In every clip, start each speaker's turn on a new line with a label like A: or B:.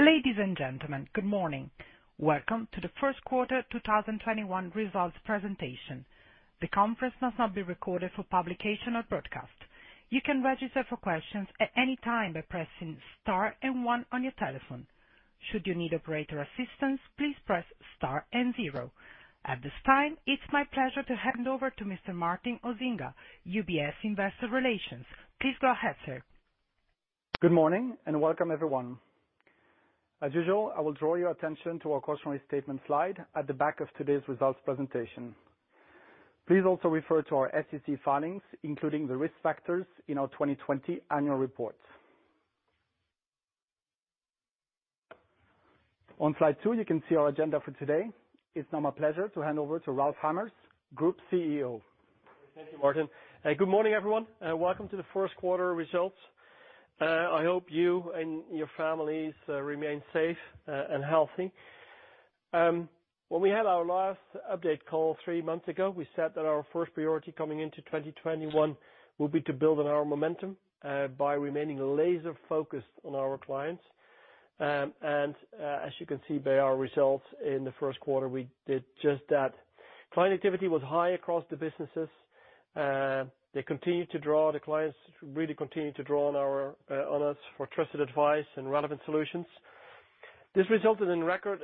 A: Ladies and gentlemen, good morning. Welcome to the first quarter 2021 results presentation. At this time, it's my pleasure to hand over to Mr. Martin Osinga, UBS Investor Relations. Please go ahead, sir.
B: Good morning, and welcome everyone. As usual, I will draw your attention to our cautionary statement slide at the back of today's results presentation. Please also refer to our SEC filings, including the risk factors in our 2020 annual report. On slide two, you can see our agenda for today. It's now my pleasure to hand over to Ralph Hamers, Group CEO.
C: Thank you, Martin. Good morning, everyone, and welcome to the first quarter results. I hope you and your families remain safe and healthy. When we had our last update call three months ago, we said that our 1st priority coming into 2021 would be to build on our momentum by remaining laser-focused on our clients. As you can see by our results in the 1st quarter, we did just that. Client activity was high across the businesses. They continued to draw on our on us for trusted advice and relevant solutions. This resulted in record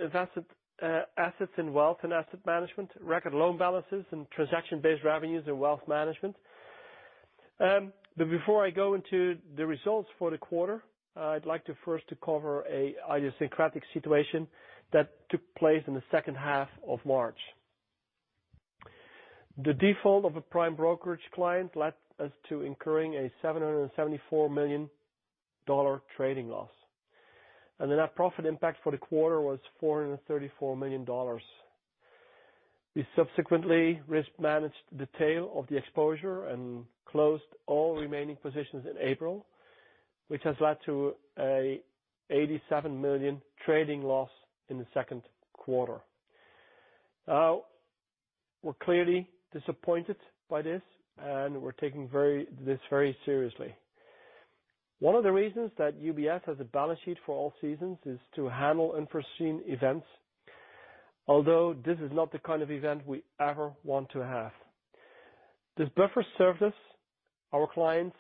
C: assets in Wealth and Asset Management, record loan balances and transaction-based revenues in Wealth Management. Before I go into the results for the quarter, I'd like to first to cover a idiosyncratic situation that took place in the second half of March. The default of a prime brokerage client led us to incurring a $774 million trading loss. The net profit impact for the quarter was $434 million. We subsequently risk-managed the tail of the exposure and closed all remaining positions in April, which has led to a $87 million trading loss in the second quarter. We're clearly disappointed by this, and we're taking this very seriously. One of the reasons that UBS has a balance sheet for all seasons is to handle unforeseen events, although this is not the kind of event we ever want to have. This buffer served us, our clients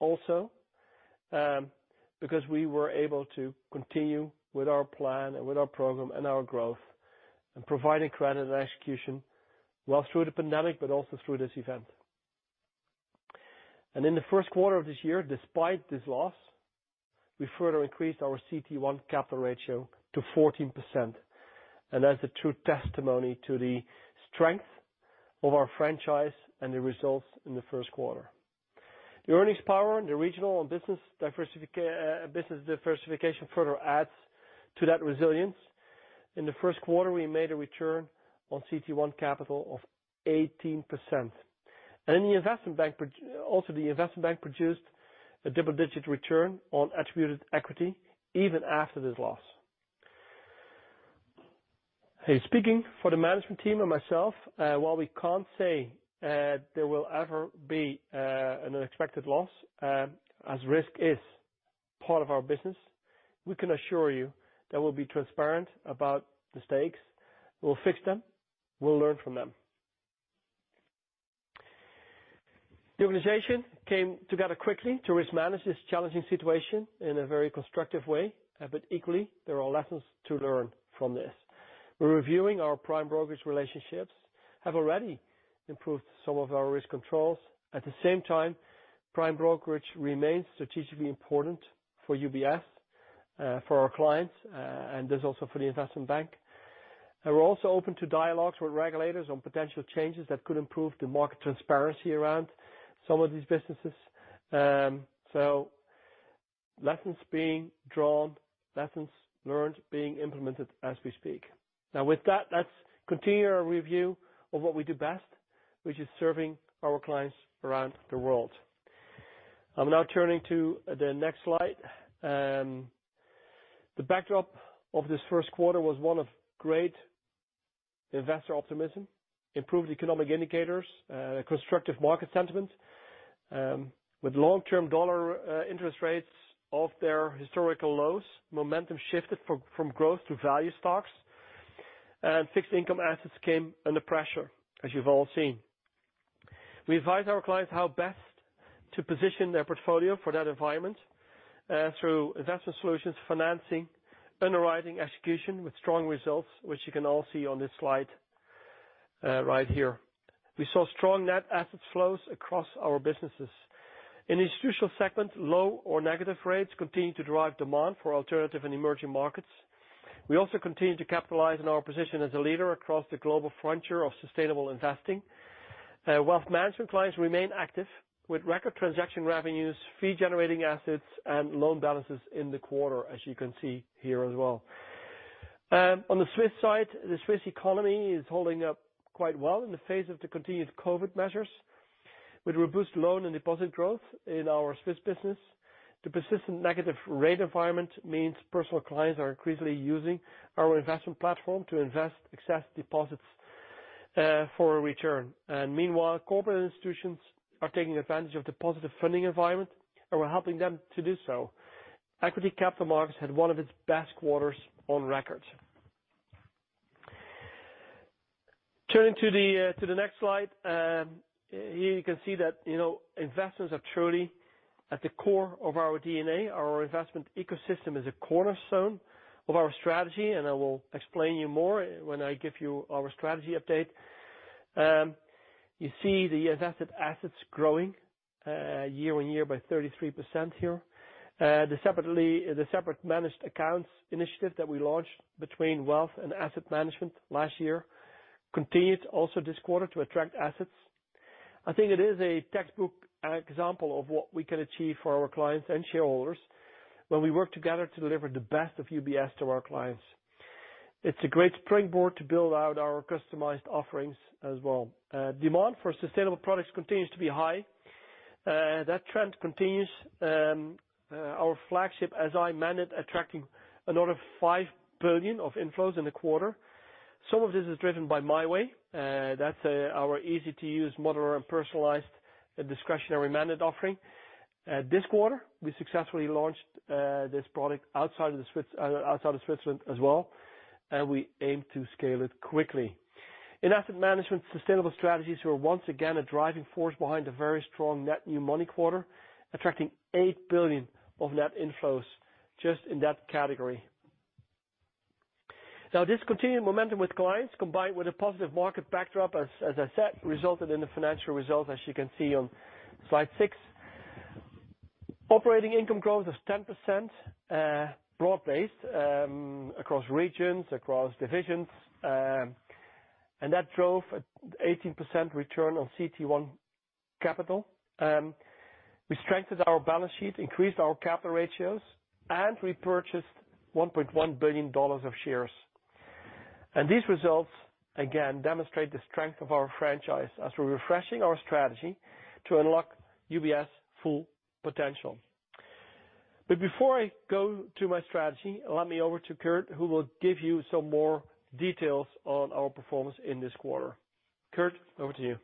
C: also, because we were able to continue with our plan and with our program and our growth and providing credit and execution, well through the pandemic, but also through this event. In the first quarter of this year, despite this loss, we further increased our CET1 capital ratio to 14%, and that's a true testimony to the strength of our franchise and the results in the first quarter. The earnings power and the regional and business diversification further adds to that resilience. In the first quarter, we made a return on CET1 capital of 18%. Also, the Investment Bank produced a double-digit return on attributed equity even after this loss. Speaking for the management team and myself, while we can't say there will ever be an unexpected loss, as risk is part of our business, we can assure you that we'll be transparent about mistakes. We'll fix them. We'll learn from them. The organization came together quickly to risk manage this challenging situation in a very constructive way. Equally, there are lessons to learn from this. We're reviewing our Prime Brokerage relationships, have already improved some of our risk controls. At the same time, Prime Brokerage remains strategically important for UBS, for our clients, and this also for the Investment Bank. We're also open to dialogues with regulators on potential changes that could improve the market transparency around some of these businesses. Lessons being drawn, lessons learned being implemented as we speak. With that, let's continue our review of what we do best, which is serving our clients around the world. I'm now turning to the next slide. The backdrop of this first quarter was one of great investor optimism, improved economic indicators, constructive market sentiment, with long-term dollar interest rates off their historical lows, momentum shifted from growth to value stocks. Fixed income assets came under pressure, as you've all seen. We advise our clients how best to position their portfolio for that environment, through investment solutions, financing, underwriting, execution with strong results, which you can all see on this slide right here. We saw strong net asset flows across our businesses. In institutional segment, low or negative rates continue to drive demand for alternative and emerging markets. We also continue to capitalize on our position as a leader across the global frontier of sustainable investing. Wealth management clients remain active with record transaction revenues, fee generating assets and loan balances in the quarter, as you can see here as well. On the Swiss side, the Swiss economy is holding up quite well in the face of the continued COVID measures. With robust loan and deposit growth in our Swiss business, the persistent negative rate environment means personal clients are increasingly using our investment platform to invest excess deposits for a return. Meanwhile, corporate institutions are taking advantage of the positive funding environment, and we're helping them to do so. Equity capital markets had one of its best quarters on record. Turning to the next slide. Here you can see that, you know, investments are truly at the core of our DNA. Our investment ecosystem is a cornerstone of our strategy, and I will explain you more when I give you our strategy update. You see the invested assets growing, year-on-year by 33% here. The separate managed accounts initiative that we launched between wealth and Asset Management last year continued also this quarter to attract assets. I think it is a textbook example of what we can achieve for our clients and shareholders when we work together to deliver the best of UBS to our clients. It's a great springboard to build out our customized offerings as well. Demand for sustainable products continues to be high. That trend continues, our flagship Asset Management attracting another 5 billion of inflows in the quarter. Some of this is driven by My Way. That's our easy-to-use, moderate, and personalized discretionary managed offering. This quarter, we successfully launched this product outside of Switzerland as well, and we aim to scale it quickly. In Asset Management, sustainable strategies were once again a driving force behind a very strong net new money quarter, attracting 8 billion of net inflows just in that category. This continued momentum with clients, combined with a positive market backdrop, as I said, resulted in the financial results, as you can see on slide six. Operating income growth is 10%, broad-based, across regions, across divisions. That drove a 18% return on CET1 capital. We strengthened our balance sheet, increased our capital ratios, and repurchased $1.1 billion of shares. These results, again, demonstrate the strength of our franchise as we're refreshing our strategy to unlock UBS full potential. Before I go to my strategy, I'll hand me over to Kirt, who will give you some more details on our performance in this quarter. Kirt, over to you.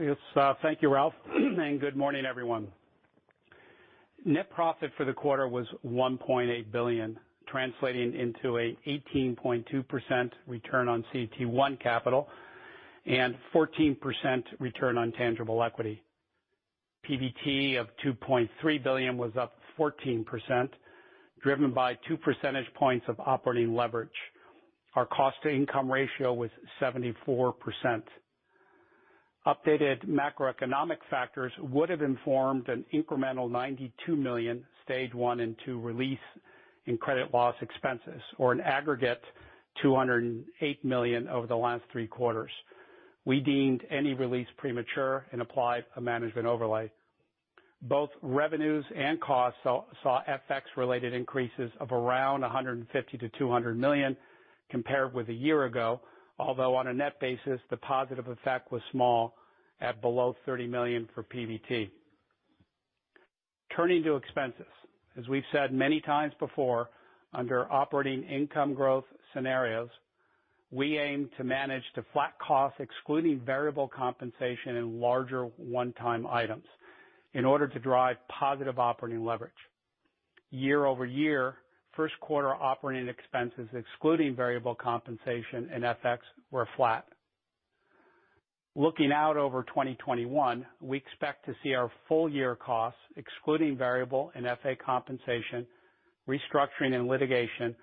D: Yes, thank you, Ralph. Good morning, everyone. Net profit for the quarter was 1.8 billion, translating into a 18.2% return on CET1 capital and 14% return on tangible equity. PBT of 2.3 billion was up 14%, driven by 2 percentage points of operating leverage. Our cost-to-income ratio was 74%. Updated macroeconomic factors would have informed an incremental 92 million stage one and two release in credit loss expenses or an aggregate 208 million over the last three quarters. We deemed any release premature and applied a management overlay. Both revenues and costs saw FX-related increases of around 150 million-200 million compared with a year ago, although on a net basis, the positive effect was small at below 30 million for PBT. Turning to expenses. As we've said many times before, under operating income growth scenarios, we aim to manage to flat costs, excluding variable compensation and larger one-time items, in order to drive positive operating leverage. Year-over-year, first quarter operating expenses, excluding variable compensation and FX, were flat. Looking out over 2021, we expect to see our full-year costs, excluding variable and FA compensation, restructuring, and litigation,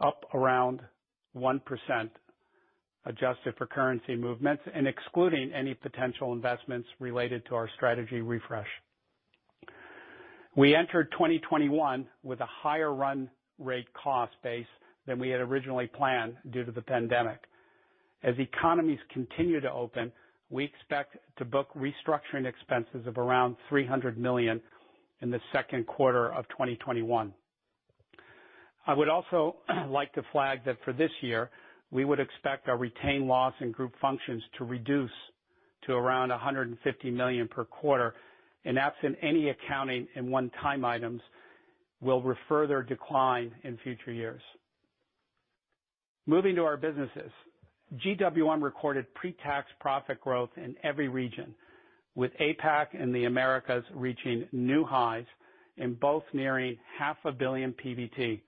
D: up around 1%, adjusted for currency movements and excluding any potential investments related to our strategy refresh. We entered 2021 with a higher run rate cost base than we had originally planned due to the pandemic. As economies continue to open, we expect to book restructuring expenses of around 300 million in the second quarter of 2021. I would also like to flag that for this year, we would expect our retained loss in Group Functions to reduce to around 150 million per quarter, absent any accounting and one-time items will further decline in future years. Moving to our businesses. GWM recorded pre-tax profit growth in every region, with APAC and the Americas reaching new highs and both nearing 500 million PBT.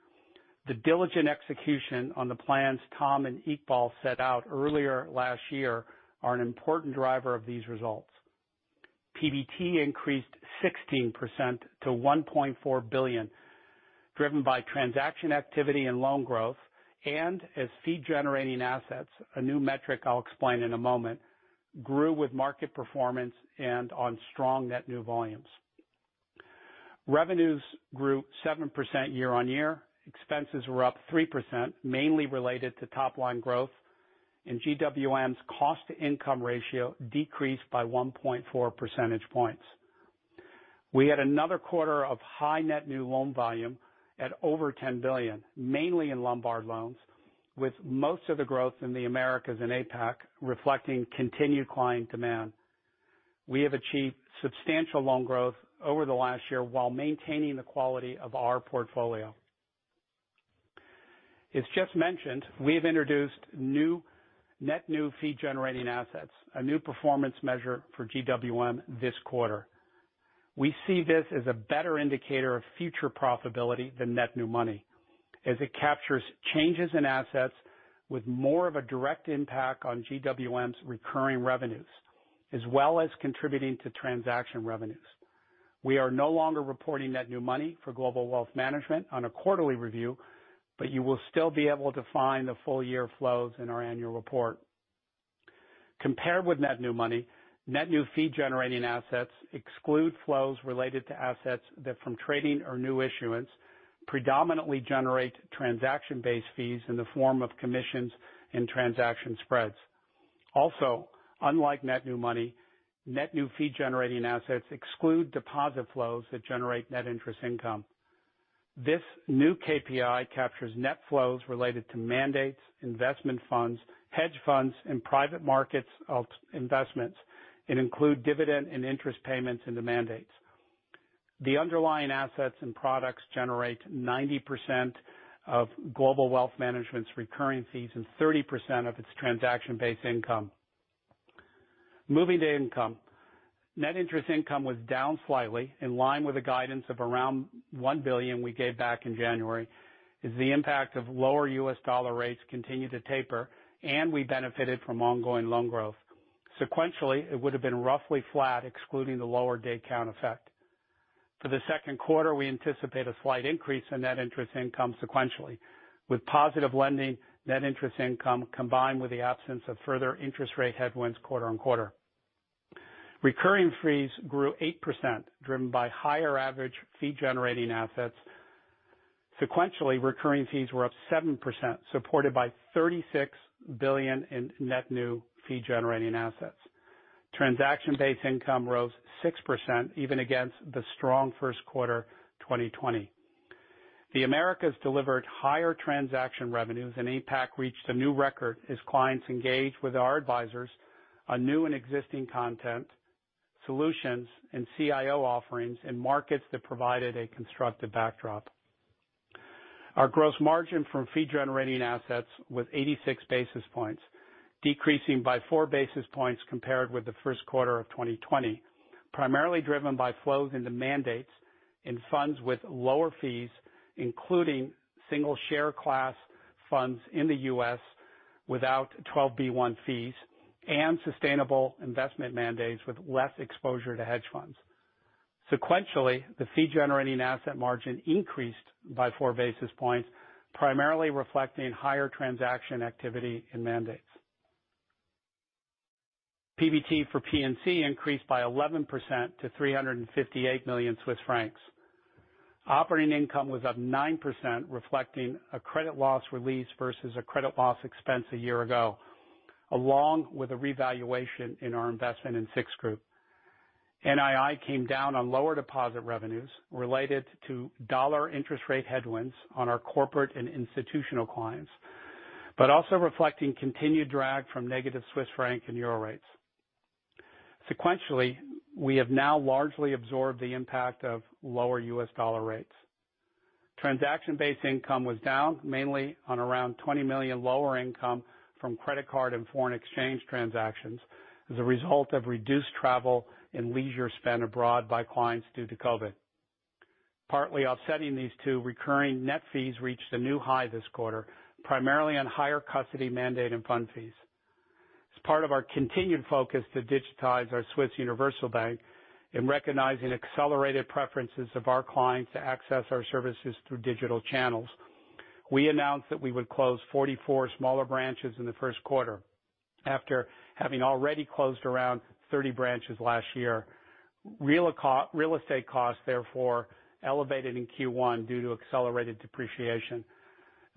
D: The diligent execution on the plans Tom and Iqbal set out earlier last year are an important driver of these results. PBT increased 16% to 1.4 billion, driven by transaction activity and loan growth, as fee-generating assets, a new metric I'll explain in a moment, grew with market performance and on strong net new volumes. Revenues grew 7% year-on-year. Expenses were up 3%, mainly related to top-line growth, and GWM's cost-to-income ratio decreased by 1.4 percentage points. We had another quarter of high net new loan volume at over 10 billion, mainly in Lombard loans, with most of the growth in the Americas and APAC reflecting continued client demand. We have achieved substantial loan growth over the last year while maintaining the quality of our portfolio. As Ralph Hamers mentioned, we've introduced net new fee-generating assets, a new performance measure for GWM this quarter. We see this as a better indicator of future profitability than net new money, as it captures changes in assets with more of a direct impact on GWM's recurring revenues, as well as contributing to transaction revenues. We are no longer reporting net new money for Global Wealth Management on a quarterly review. You will still be able to find the full year flows in our annual report. Compared with net new money, net new fee-generating assets exclude flows related to assets that from trading or new issuance predominantly generate transaction-based fees in the form of commissions and transaction spreads. Unlike net new money, net new fee-generating assets exclude deposit flows that generate net interest income. This new KPI captures net flows related to mandates, investment funds, hedge funds, and private markets alt- investments, and include dividend and interest payments into mandates. The underlying assets and products generate 90% of Global Wealth Management's recurring fees and 30% of its transaction-based income. Moving to income. Net interest income was down slightly, in line with the guidance of around $1 billion we gave back in January, as the impact of lower U.S. dollar rates continued to taper, and we benefited from ongoing loan growth. Sequentially, it would have been roughly flat, excluding the lower day count effect. For the second quarter, we anticipate a slight increase in net interest income sequentially, with positive lending net interest income combined with the absence of further interest rate headwinds quarter-on-quarter. Recurring fees grew 8%, driven by higher average fee-generating assets. Sequentially, recurring fees were up 7%, supported by 36 billion in net new fee-generating assets. Transaction-based income rose 6% even against the strong first quarter 2020. The Americas delivered higher transaction revenues, and APAC reached a new record as clients engaged with our advisors on new and existing content, solutions, and CIO offerings in markets that provided a constructive backdrop. Our gross margin from fee-generating assets was 86 basis points, decreasing by 4 basis points compared with the first quarter of 2020, primarily driven by flows into mandates and funds with lower fees, including single share class funds in the U.S. without 12b-1 fees and sustainable investment mandates with less exposure to hedge funds. Sequentially, the fee-generating asset margin increased by 4 basis points, primarily reflecting higher transaction activity and mandates. PBT for P&C increased by 11% to 358 million Swiss francs. Operating income was up 9%, reflecting a credit loss release versus a credit loss expense a year ago, along with a revaluation in our investment in SIX Group. NII came down on lower deposit revenues related to dollar interest rate headwinds on our corporate and institutional clients, but also reflecting continued drag from negative Swiss franc and euro rates. Sequentially, we have now largely absorbed the impact of lower U.S. dollar rates. Transaction-based income was down mainly on around 20 million lower income from credit card and foreign exchange transactions as a result of reduced travel and leisure spend abroad by clients due to COVID. Partly offsetting these two, recurring net fees reached a new high this quarter, primarily on higher custody mandate and fund fees. As part of our continued focus to digitize our Swiss Universal Bank in recognizing accelerated preferences of our clients to access our services through digital channels, we announced that we would close 44 smaller branches in the first quarter after having already closed around 30 branches last year. real estate costs, therefore, elevated in Q1 due to accelerated depreciation.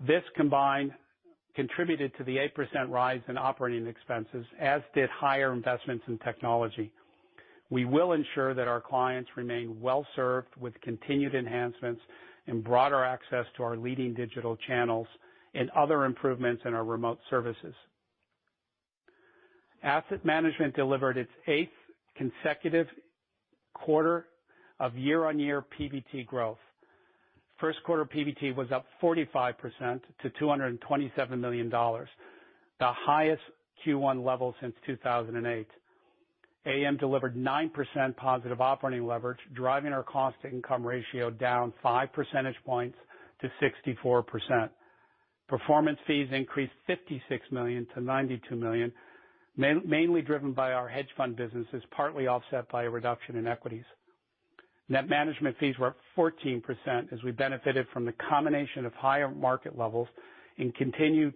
D: This combined contributed to the 8% rise in operating expenses, as did higher investments in technology. We will ensure that our clients remain well-served with continued enhancements and broader access to our leading digital channels and other improvements in our remote services. Asset Management delivered its eighth consecutive quarter of year-over-year PBT growth. First quarter PBT was up 45% to $227 million, the highest Q1 level since 2008. AM delivered 9% positive operating leverage, driving our cost-to-income ratio down 5 percentage points to 64%. Performance fees increased $56 million to $92 million, mainly driven by our hedge fund businesses, partly offset by a reduction in equities. Net management fees were up 14% as we benefited from the combination of higher market levels and continued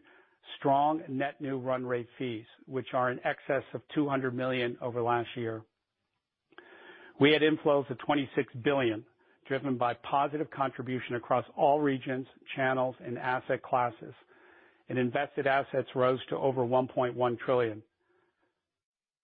D: strong net new run rate fees, which are in excess of 200 million over last year. We had inflows of 26 billion, driven by positive contribution across all regions, channels, and asset classes, and invested assets rose to over 1.1 trillion.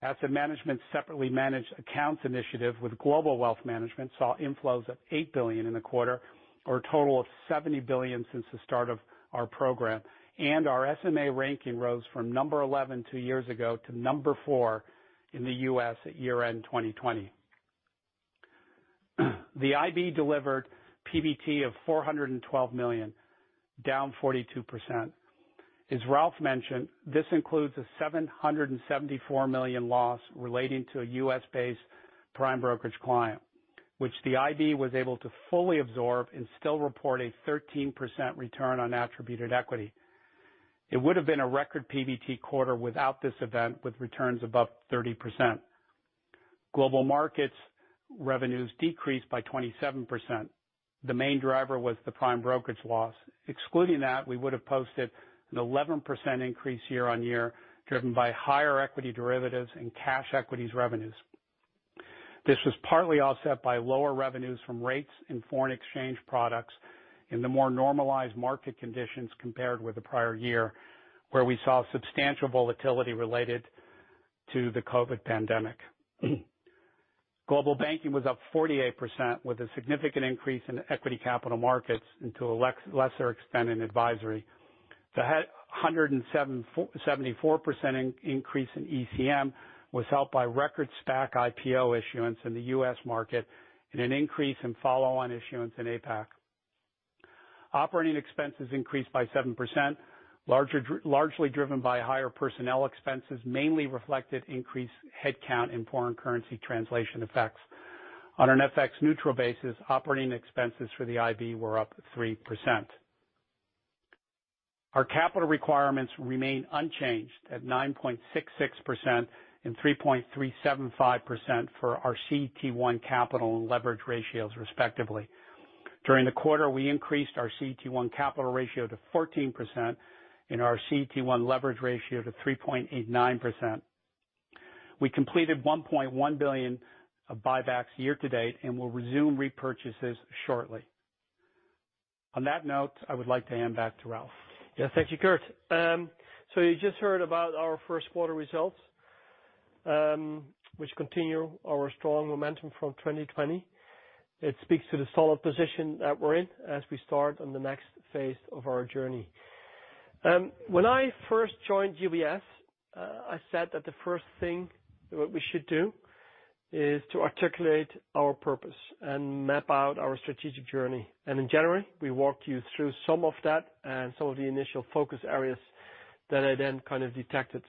D: Asset Management's separately managed accounts initiative with Global Wealth Management saw inflows of 8 billion in the quarter, or a total of 70 billion since the start of our program. Our SMA ranking rose from number 11 two years ago to number four in the U.S. at year-end 2020. The IB delivered PBT of 412 million, down 42%. As Ralph mentioned, this includes a 774 million loss relating to a U.S.-based prime brokerage client, which the IB was able to fully absorb and still report a 13% return on attributed equity. It would have been a record PBT quarter without this event, with returns above 30%. Global Markets revenues decreased by 27%. The main driver was the prime brokerage loss. Excluding that, we would have posted an 11% increase year-on-year, driven by higher equity derivatives and cash equities revenues. This was partly offset by lower revenues from rates and foreign exchange products in the more normalized market conditions compared with the prior year, where we saw substantial volatility related to the COVID pandemic. Global Banking was up 48% with a significant increase in equity capital markets and to a lesser extent in advisory. The 174% increase in ECM was helped by record SPAC IPO issuance in the U.S. market and an increase in follow-on issuance in APAC. Operating expenses increased by 7%, largely driven by higher personnel expenses, mainly reflected increased headcount in foreign currency translation effects. On an FX neutral basis, operating expenses for the IB were up 3%. Our capital requirements remain unchanged at 9.66% and 3.375% for our CET1 capital and leverage ratios, respectively. During the quarter, we increased our CET1 capital ratio to 14% and our CET1 leverage ratio to 3.89%. We completed 1.1 billion of buybacks year to date and will resume repurchases shortly. On that note, I would like to hand back to Ralph.
C: Yes, thank you, Kirt. You just heard about our first quarter results, which continue our strong momentum from 2020. It speaks to the solid position that we're in as we start on the next phase of our journey. When I first joined UBS, I said that the first thing that we should do is to articulate our purpose and map out our strategic journey. In January, we walked you through some of that and some of the initial focus areas that I then kind of detected.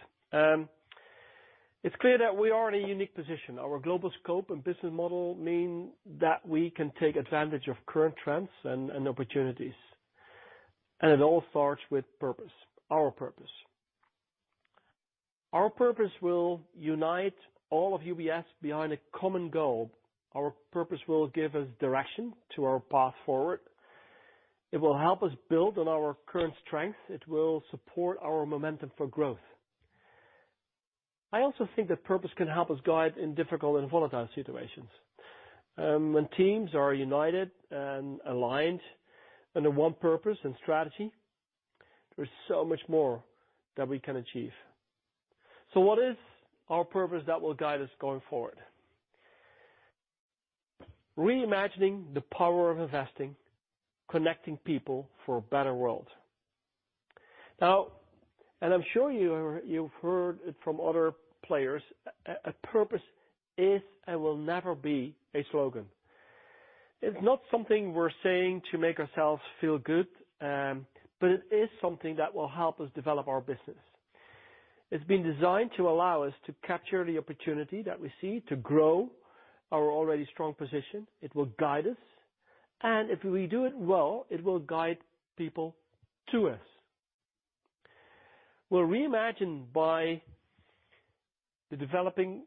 C: It's clear that we are in a unique position. Our global scope and business model mean that we can take advantage of current trends and opportunities. It all starts with purpose, our purpose. Our purpose will unite all of UBS behind a common goal. Our purpose will give us direction to our path forward. It will help us build on our current strength. It will support our momentum for growth. I also think that purpose can help us guide in difficult and volatile situations. When teams are united and aligned under one purpose and strategy, there's so much more that we can achieve. What is our purpose that will guide us going forward? Reimagining the power of investing, connecting people for a better world. I'm sure you've heard it from other players, a purpose is and will never be a slogan. It's not something we're saying to make ourselves feel good, but it is something that will help us develop our business. It's been designed to allow us to capture the opportunity that we see to grow our already strong position. It will guide us, and if we do it well, it will guide people to us. We'll reimagine by the development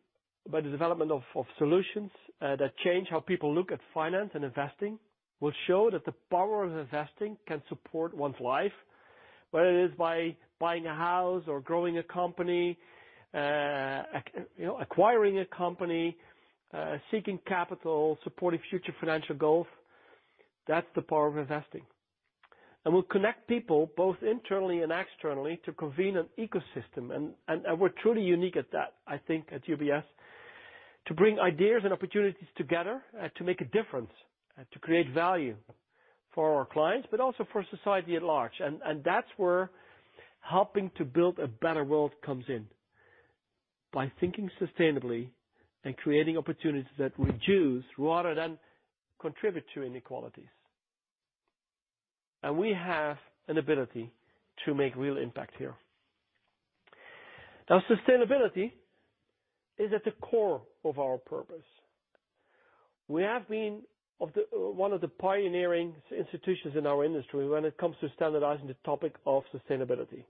C: of solutions that change how people look at finance and investing, will show that the power of investing can support one's life, whether it is by buying a house or growing a company, you know, acquiring a company, seeking capital, supporting future financial goals. That's the power of investing. We'll connect people, both internally and externally, to convene an ecosystem. We're truly unique at that, I think, at UBS. To bring ideas and opportunities together, to make a difference, to create value for our clients, but also for society at large. That's where helping to build a better world comes in, by thinking sustainably and creating opportunities that reduce rather than contribute to inequalities. We have an ability to make real impact here. Now, sustainability is at the core of our purpose. We have been one of the pioneering institutions in our industry when it comes to standardizing the topic of sustainability,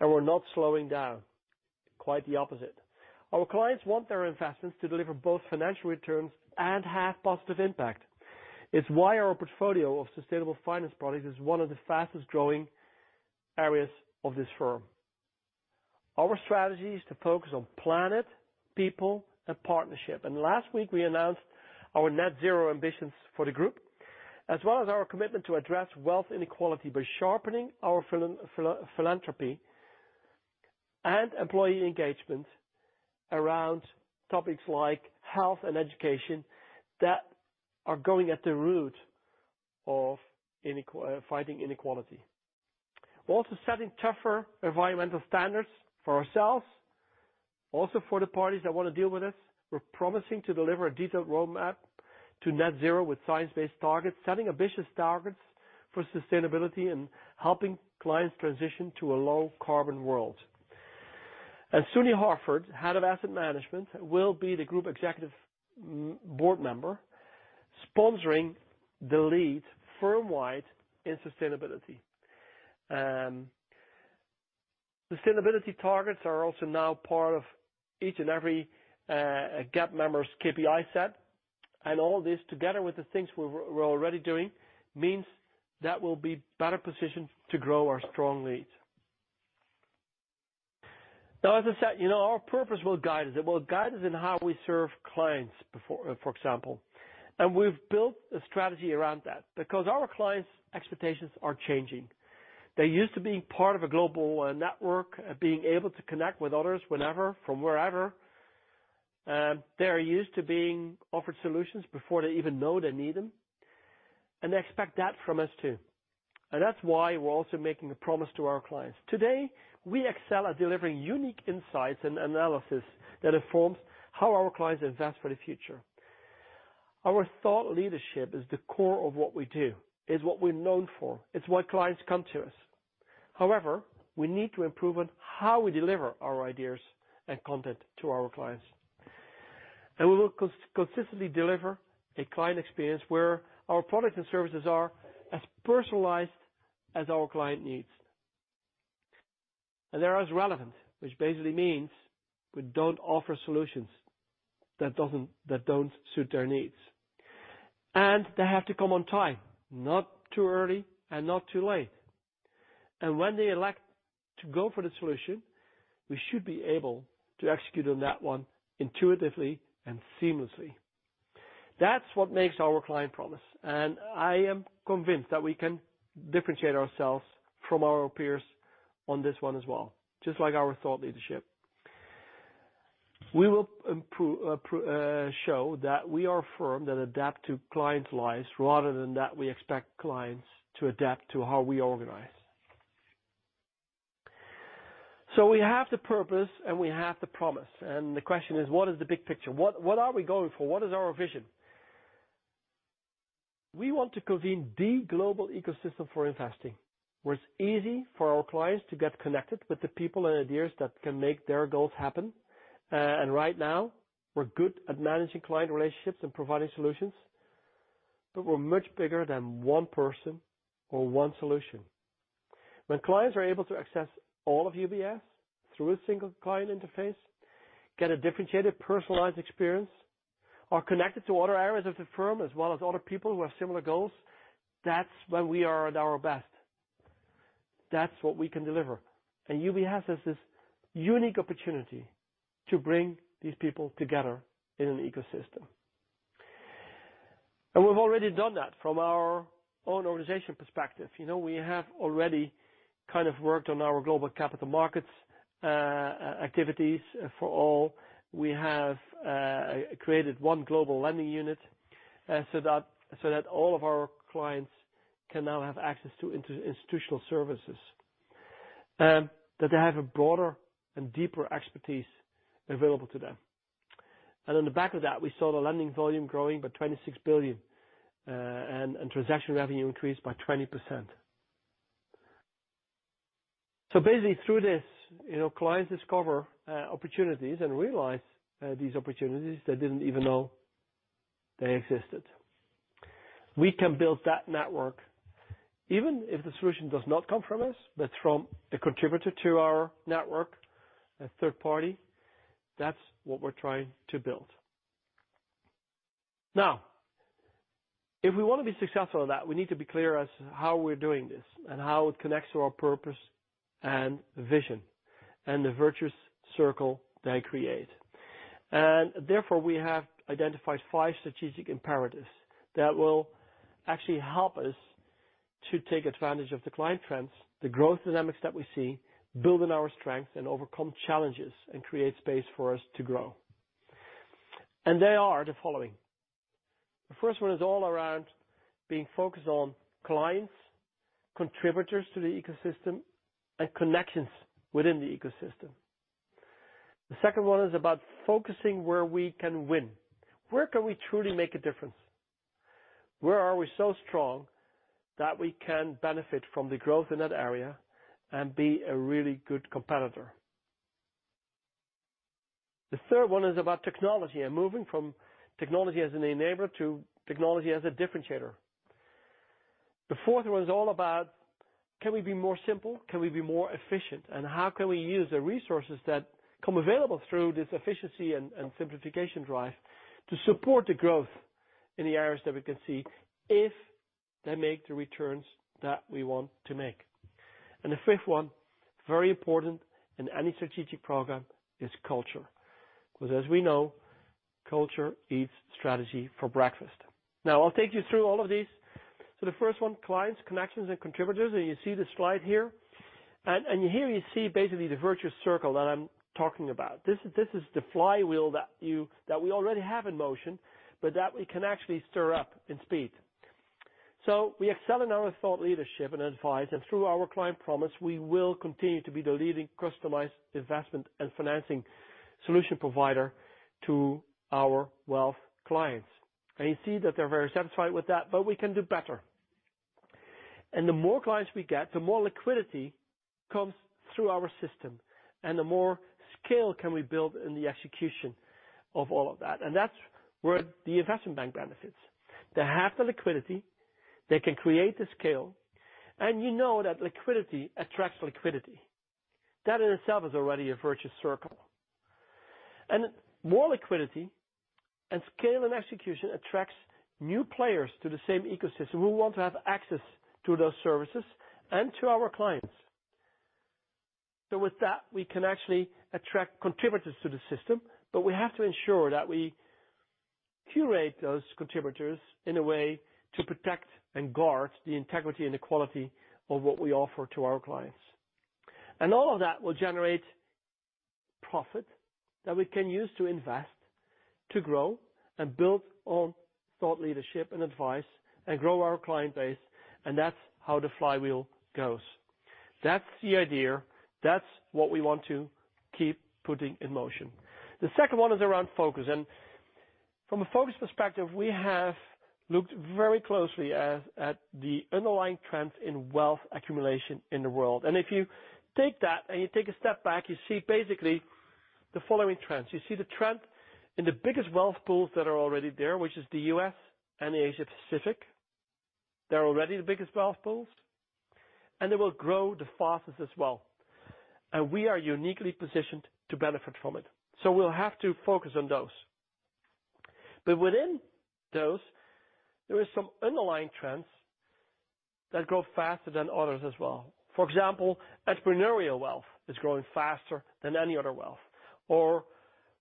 C: and we're not slowing down. Quite the opposite. Our clients want their investments to deliver both financial returns and have positive impact. It's why our portfolio of sustainable finance products is one of the fastest-growing areas of this firm. Our strategy is to focus on planet, people, and partnership. Last week, we announced our net zero ambitions for the group, as well as our commitment to address wealth inequality by sharpening our philanthropy and employee engagement around topics like health and education that are going at the root of fighting inequality. We're also setting tougher environmental standards for ourselves. For the parties that want to deal with us, we're promising to deliver a detailed roadmap to net zero with science-based targets, setting ambitious targets for sustainability and helping clients transition to a low carbon world. Suni Harford, Head of Asset Management, will be the Group Executive Board member sponsoring the lead firm-wide in sustainability. Sustainability targets are also now part of each and every GEB member's KPI set. All this, together with the things we're already doing, means that we'll be better positioned to grow our strong leads. As I said, you know, our purpose will guide us. It will guide us in how we serve clients before, for example, we've built a strategy around that because our clients' expectations are changing. They're used to being part of a global network, being able to connect with others whenever from wherever. They are used to being offered solutions before they even know they need them, they expect that from us too. That's why we're also making a promise to our clients. Today, we excel at delivering unique insights and analysis that informs how our clients invest for the future. Our thought leadership is the core of what we do. It's what we're known for. It's why clients come to us. However, we need to improve on how we deliver our ideas and content to our clients. We will consistently deliver a client experience where our products and services are as personalized as our client needs. They are as relevant, which basically means we don't offer solutions that don't suit their needs. They have to come on time, not too early and not too late. When they elect to go for the solution, we should be able to execute on that one intuitively and seamlessly. That's what makes our client promise, and I am convinced that we can differentiate ourselves from our peers on this one as well, just like our thought leadership. We will improve, show that we are a firm that adapt to clients' lives rather than that we expect clients to adapt to how we organize. We have the purpose and we have the promise, and the question is: What is the big picture? What are we going for? What is our vision? We want to convene the global ecosystem for investing, where it's easy for our clients to get connected with the people and ideas that can make their goals happen. Right now, we're good at managing client relationships and providing solutions. We're much bigger than one person or one solution. When clients are able to access all of UBS through a single client interface, get a differentiated, personalized experience, are connected to other areas of the firm, as well as other people who have similar goals, that's when we are at our best. That's what we can deliver. UBS has this unique opportunity to bring these people together in an ecosystem. We've already done that from our own organization perspective. You know, we have already kind of worked on our Global Capital Markets activities for all. We have created one global lending unit, so that all of our clients can now have access to institutional services that they have a broader and deeper expertise available to them. On the back of that, we saw the lending volume growing by 26 billion and transaction revenue increased by 20%. Basically, through this, you know, clients discover opportunities and realize these opportunities they didn't even know they existed. We can build that network, even if the solution does not come from us, but from a contributor to our network, a third party. That's what we're trying to build. If we wanna be successful in that, we need to be clear as how we're doing this and how it connects to our purpose and vision and the virtuous circle they create. Therefore, we have identified five strategic imperatives that will actually help us to take advantage of the client trends, the growth dynamics that we see, build on our strengths and overcome challenges, and create space for us to grow. They are the following. The first one is all around being focused on clients, contributors to the ecosystem, and connections within the ecosystem. The second one is about focusing where we can win. Where can we truly make a difference? Where are we so strong that we can benefit from the growth in that area and be a really good competitor? The third one is about technology and moving from technology as an enabler to technology as a differentiator. The fourth one is all about can we be more simple? Can we be more efficient? How can we use the resources that come available through this efficiency and simplification drive to support the growth in the areas that we can see if they make the returns that we want to make? The fifth one, very important in any strategic program, is culture. As we know, culture eats strategy for breakfast. I'll take you through all of these. The first one, clients, connections, and contributors, and you see the slide here. Here you see basically the virtuous circle that I'm talking about. This is the flywheel that we already have in motion, but that we can actually stir up in speed. We excel in our thought leadership and advice. Through our client promise, we will continue to be the leading customized investment and financing solution provider to our wealth clients. You see that they're very satisfied with that, but we can do better. The more clients we get, the more liquidity comes through our system, and the more scale can we build in the execution of all of that. That's where the Investment Bank benefits. They have the liquidity, they can create the scale, you know that liquidity attracts liquidity. That in itself is already a virtuous circle. More liquidity and scale and execution attracts new players to the same ecosystem who want to have access to those services and to our clients. With that, we can actually attract contributors to the system, but we have to ensure that we curate those contributors in a way to protect and guard the integrity and the quality of what we offer to our clients. All of that will generate profit that we can use to invest, to grow, and build on thought leadership and advice and grow our client base, and that's how the flywheel goes. That's the idea. That's what we want to keep putting in motion. The second one is around focus. From a focus perspective, we have looked very closely at the underlying trends in wealth accumulation in the world. If you take that and you take a step back, you see basically the following trends. You see the trend in the biggest wealth pools that are already there, which is the U.S. and the Asia-Pacific. They're already the biggest wealth pools, and they will grow the fastest as well. We are uniquely positioned to benefit from it. We'll have to focus on those. Within those, there is some underlying trends that grow faster than others as well. For example, entrepreneurial wealth is growing faster than any other wealth.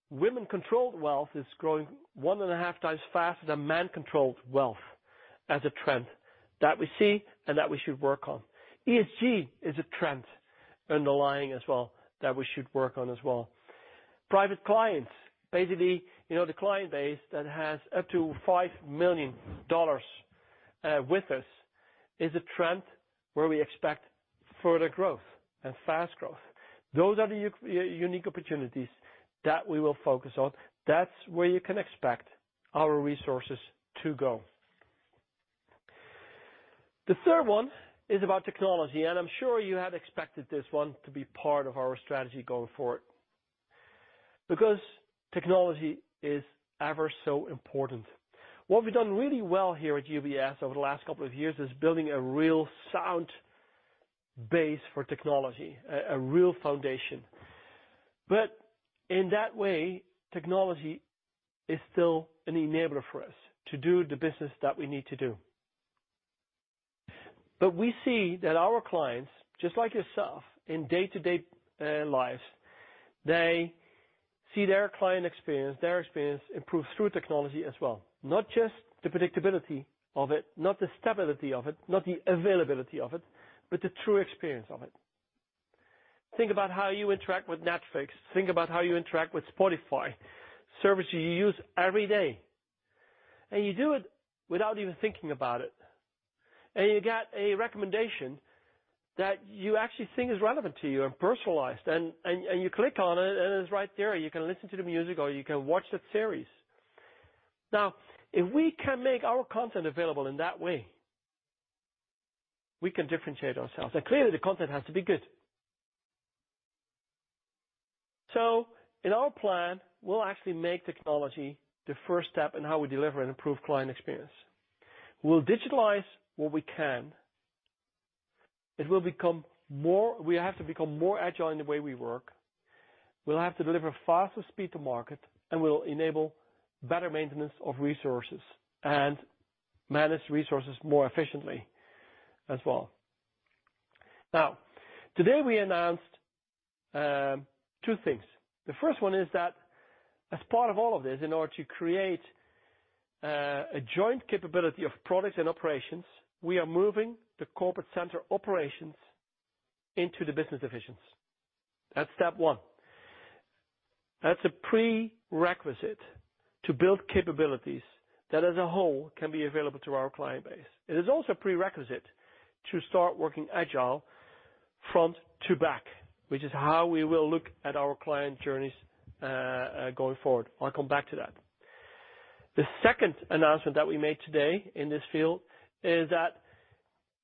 C: Women-controlled wealth is growing one and a half times faster than man-controlled wealth as a trend that we see and that we should work on. ESG is a trend underlying as well that we should work on as well. Private clients, basically, you know, the client base that has up to $5 million with us, is a trend where we expect further growth and fast growth. Those are the unique opportunities that we will focus on. That's where you can expect our resources to go. The third one is about technology, and I'm sure you had expected this one to be part of our strategy going forward. Technology is ever so important. What we've done really well here at UBS over the last couple of years is building a real sound base for technology, a real foundation. In that way, technology is still an enabler for us to do the business that we need to do. We see that our clients, just like yourself, in day-to-day lives, they see their client experience, their experience improve through technology as well. Not just the predictability of it, not the stability of it, not the availability of it, but the true experience of it. Think about how you interact with Netflix. Think about how you interact with Spotify, services you use every day. You do it without even thinking about it. You get a recommendation that you actually think is relevant to you and personalized. You click on it, and it's right there. You can listen to the music or you can watch the series. If we can make our content available in that way, we can differentiate ourselves. Clearly, the content has to be good. In our plan, we'll actually make technology the first step in how we deliver and improve client experience. We'll digitalize what we can. We have to become more agile in the way we work. We'll have to deliver faster speed to market, and we'll enable better maintenance of resources and manage resources more efficiently as well. Today, we announced two things. The first one is that as part of all of this, in order to create a joint capability of products and operations, we are moving the corporate center operations into the business divisions. That's step one. That's a prerequisite to build capabilities that as a whole can be available to our client base. It is also a prerequisite to start working agile front to back, which is how we will look at our client journeys going forward. I'll come back to that. The second announcement that we made today in this field is that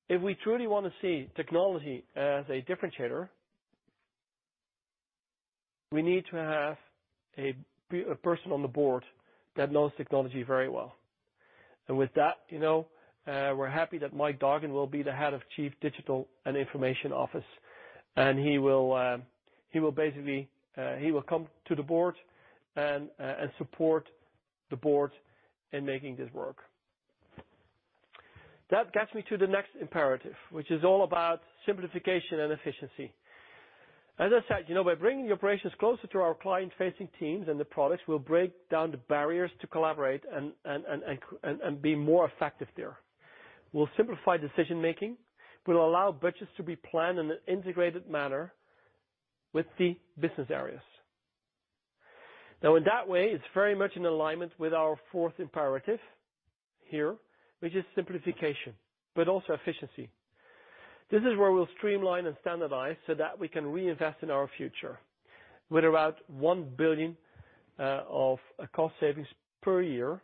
C: if we truly wanna see technology as a differentiator, we need to have a person on the board that knows technology very well. With that, you know, we're happy that Mike Dargan will be the head of Chief Digital and Information Office. He will basically come to the board and support the board in making this work. That gets me to the next imperative, which is all about simplification and efficiency. As I said, you know, by bringing the operations closer to our client-facing teams and the products, we'll break down the barriers to collaborate and be more effective there. We'll simplify decision-making. We'll allow budgets to be planned in an integrated manner with the business areas. In that way, it's very much in alignment with our fourth imperative here, which is simplification, but also efficiency. This is where we'll streamline and standardize so that we can reinvest in our future with about 1 billion of cost savings per year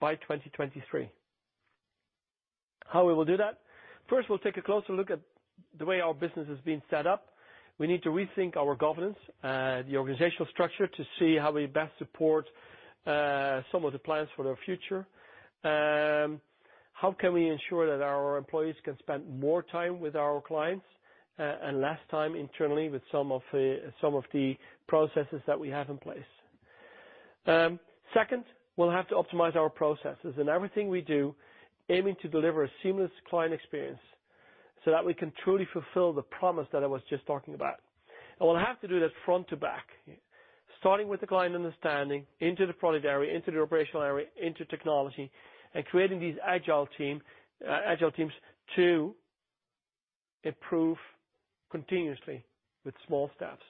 C: by 2023. How we will do that? First, we'll take a closer look at the way our business has been set up. We need to rethink our governance, the organizational structure to see how we best support some of the plans for the future. How can we ensure that our employees can spend more time with our clients and less time internally with some of the processes that we have in place? Second, we'll have to optimize our processes in everything we do, aiming to deliver a seamless client experience so that we can truly fulfill the promise that I was just talking about. We'll have to do that front to back, starting with the client understanding into the product area, into the operational area, into technology, and creating these agile teams to improve continuously with small steps.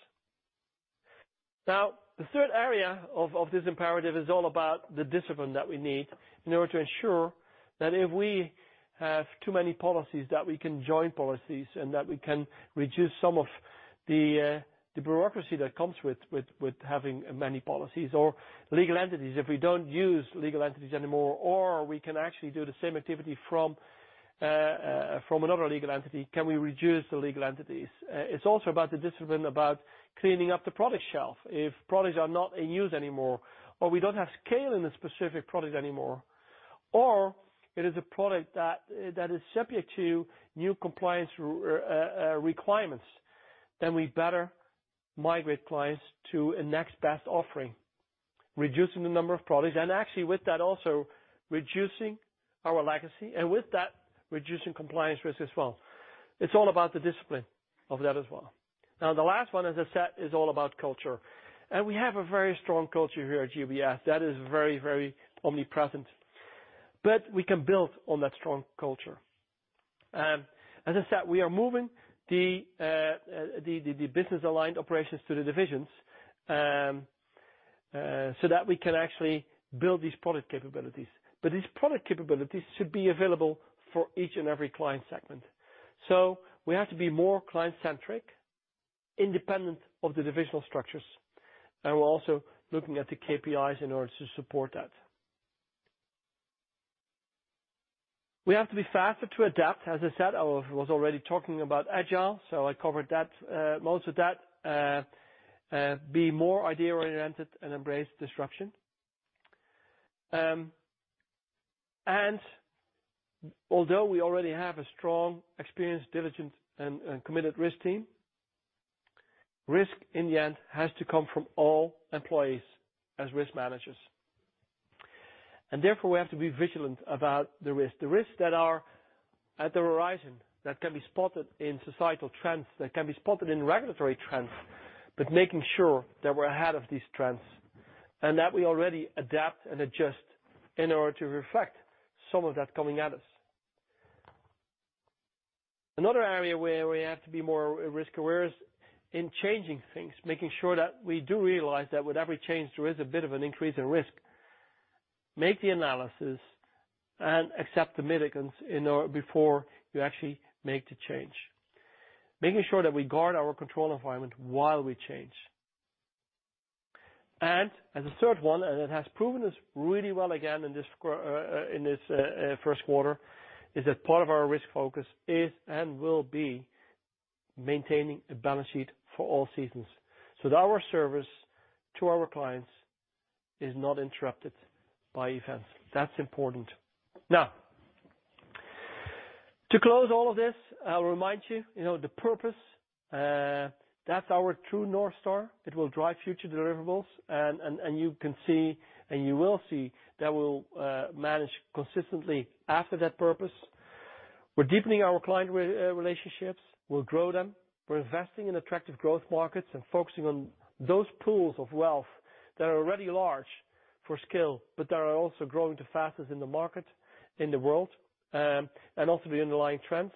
C: The third area of this imperative is all about the discipline that we need in order to ensure that if we have too many policies, that we can join policies and that we can reduce some of the bureaucracy that comes with having many policies or legal entities. If we don't use legal entities anymore or we can actually do the same activity from another legal entity, can we reduce the legal entities? It's also about the discipline about cleaning up the product shelf. If products are not in use anymore or we don't have scale in a specific product anymore, or it is a product that is subject to new compliance requirements, then we better migrate clients to a next best offering, reducing the number of products, and actually with that also reducing our legacy, and with that, reducing compliance risk as well. It's all about the discipline of that as well. The last one, as I said, is all about culture. We have a very strong culture here at UBS that is very omnipresent. We can build on that strong culture. As I said, we are moving the business aligned operations to the divisions so that we can actually build these product capabilities. These product capabilities should be available for each and every client segment. We have to be more client-centric, independent of the divisional structures. We're also looking at the KPIs in order to support that. We have to be faster to adapt, as I said, I was already talking about agile, so I covered that most of that. Be more idea-oriented and embrace disruption. Although we already have a strong, experienced, diligent, and committed risk team, risk, in the end, has to come from all employees as risk managers. Therefore, we have to be vigilant about the risk. The risks that are at the horizon, that can be spotted in societal trends, that can be spotted in regulatory trends, but making sure that we're ahead of these trends and that we already adapt and adjust in order to reflect some of that coming at us. Another area where we have to be more risk aware is in changing things, making sure that we do realize that with every change, there is a bit of an increase in risk. Make the analysis and accept the mitigants before you actually make the change. Making sure that we guard our control environment while we change. As a third one, it has proven us really well again in this first quarter, is that part of our risk focus is and will be maintaining a balance sheet for all seasons so that our service to our clients is not interrupted by events. That's important. To close all of this, I'll remind you know, the purpose, that's our true North Star. It will drive future deliverables. You can see and you will see that we'll manage consistently after that purpose. We're deepening our client relationships. We'll grow them. We're investing in attractive growth markets and focusing on those pools of wealth that are already large for scale, but that are also growing the fastest in the market, in the world, and also the underlying trends.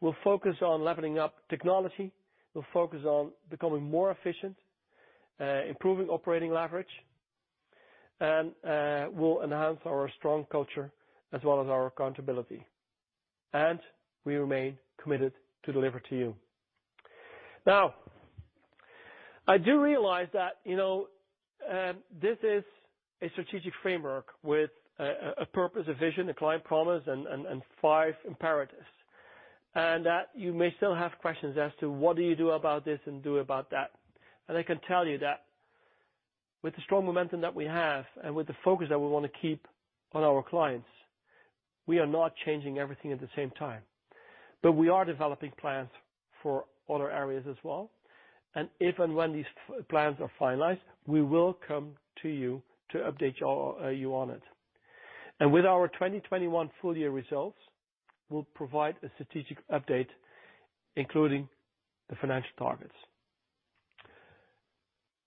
C: We'll focus on leveling up technology. We'll focus on becoming more efficient, improving operating leverage, and we'll enhance our strong culture as well as our accountability. We remain committed to deliver to you. Now, I do realize that, you know, this is a strategic framework with a purpose, a vision, a client promise, and five imperatives. That you may still have questions as to what do you do about this and do about that. I can tell you that with the strong momentum that we have and with the focus that we wanna keep on our clients, we are not changing everything at the same time. We are developing plans for other areas as well. If and when these plans are finalized, we will come to you to update you on it. With our 2021 full year results, we'll provide a strategic update, including the financial targets.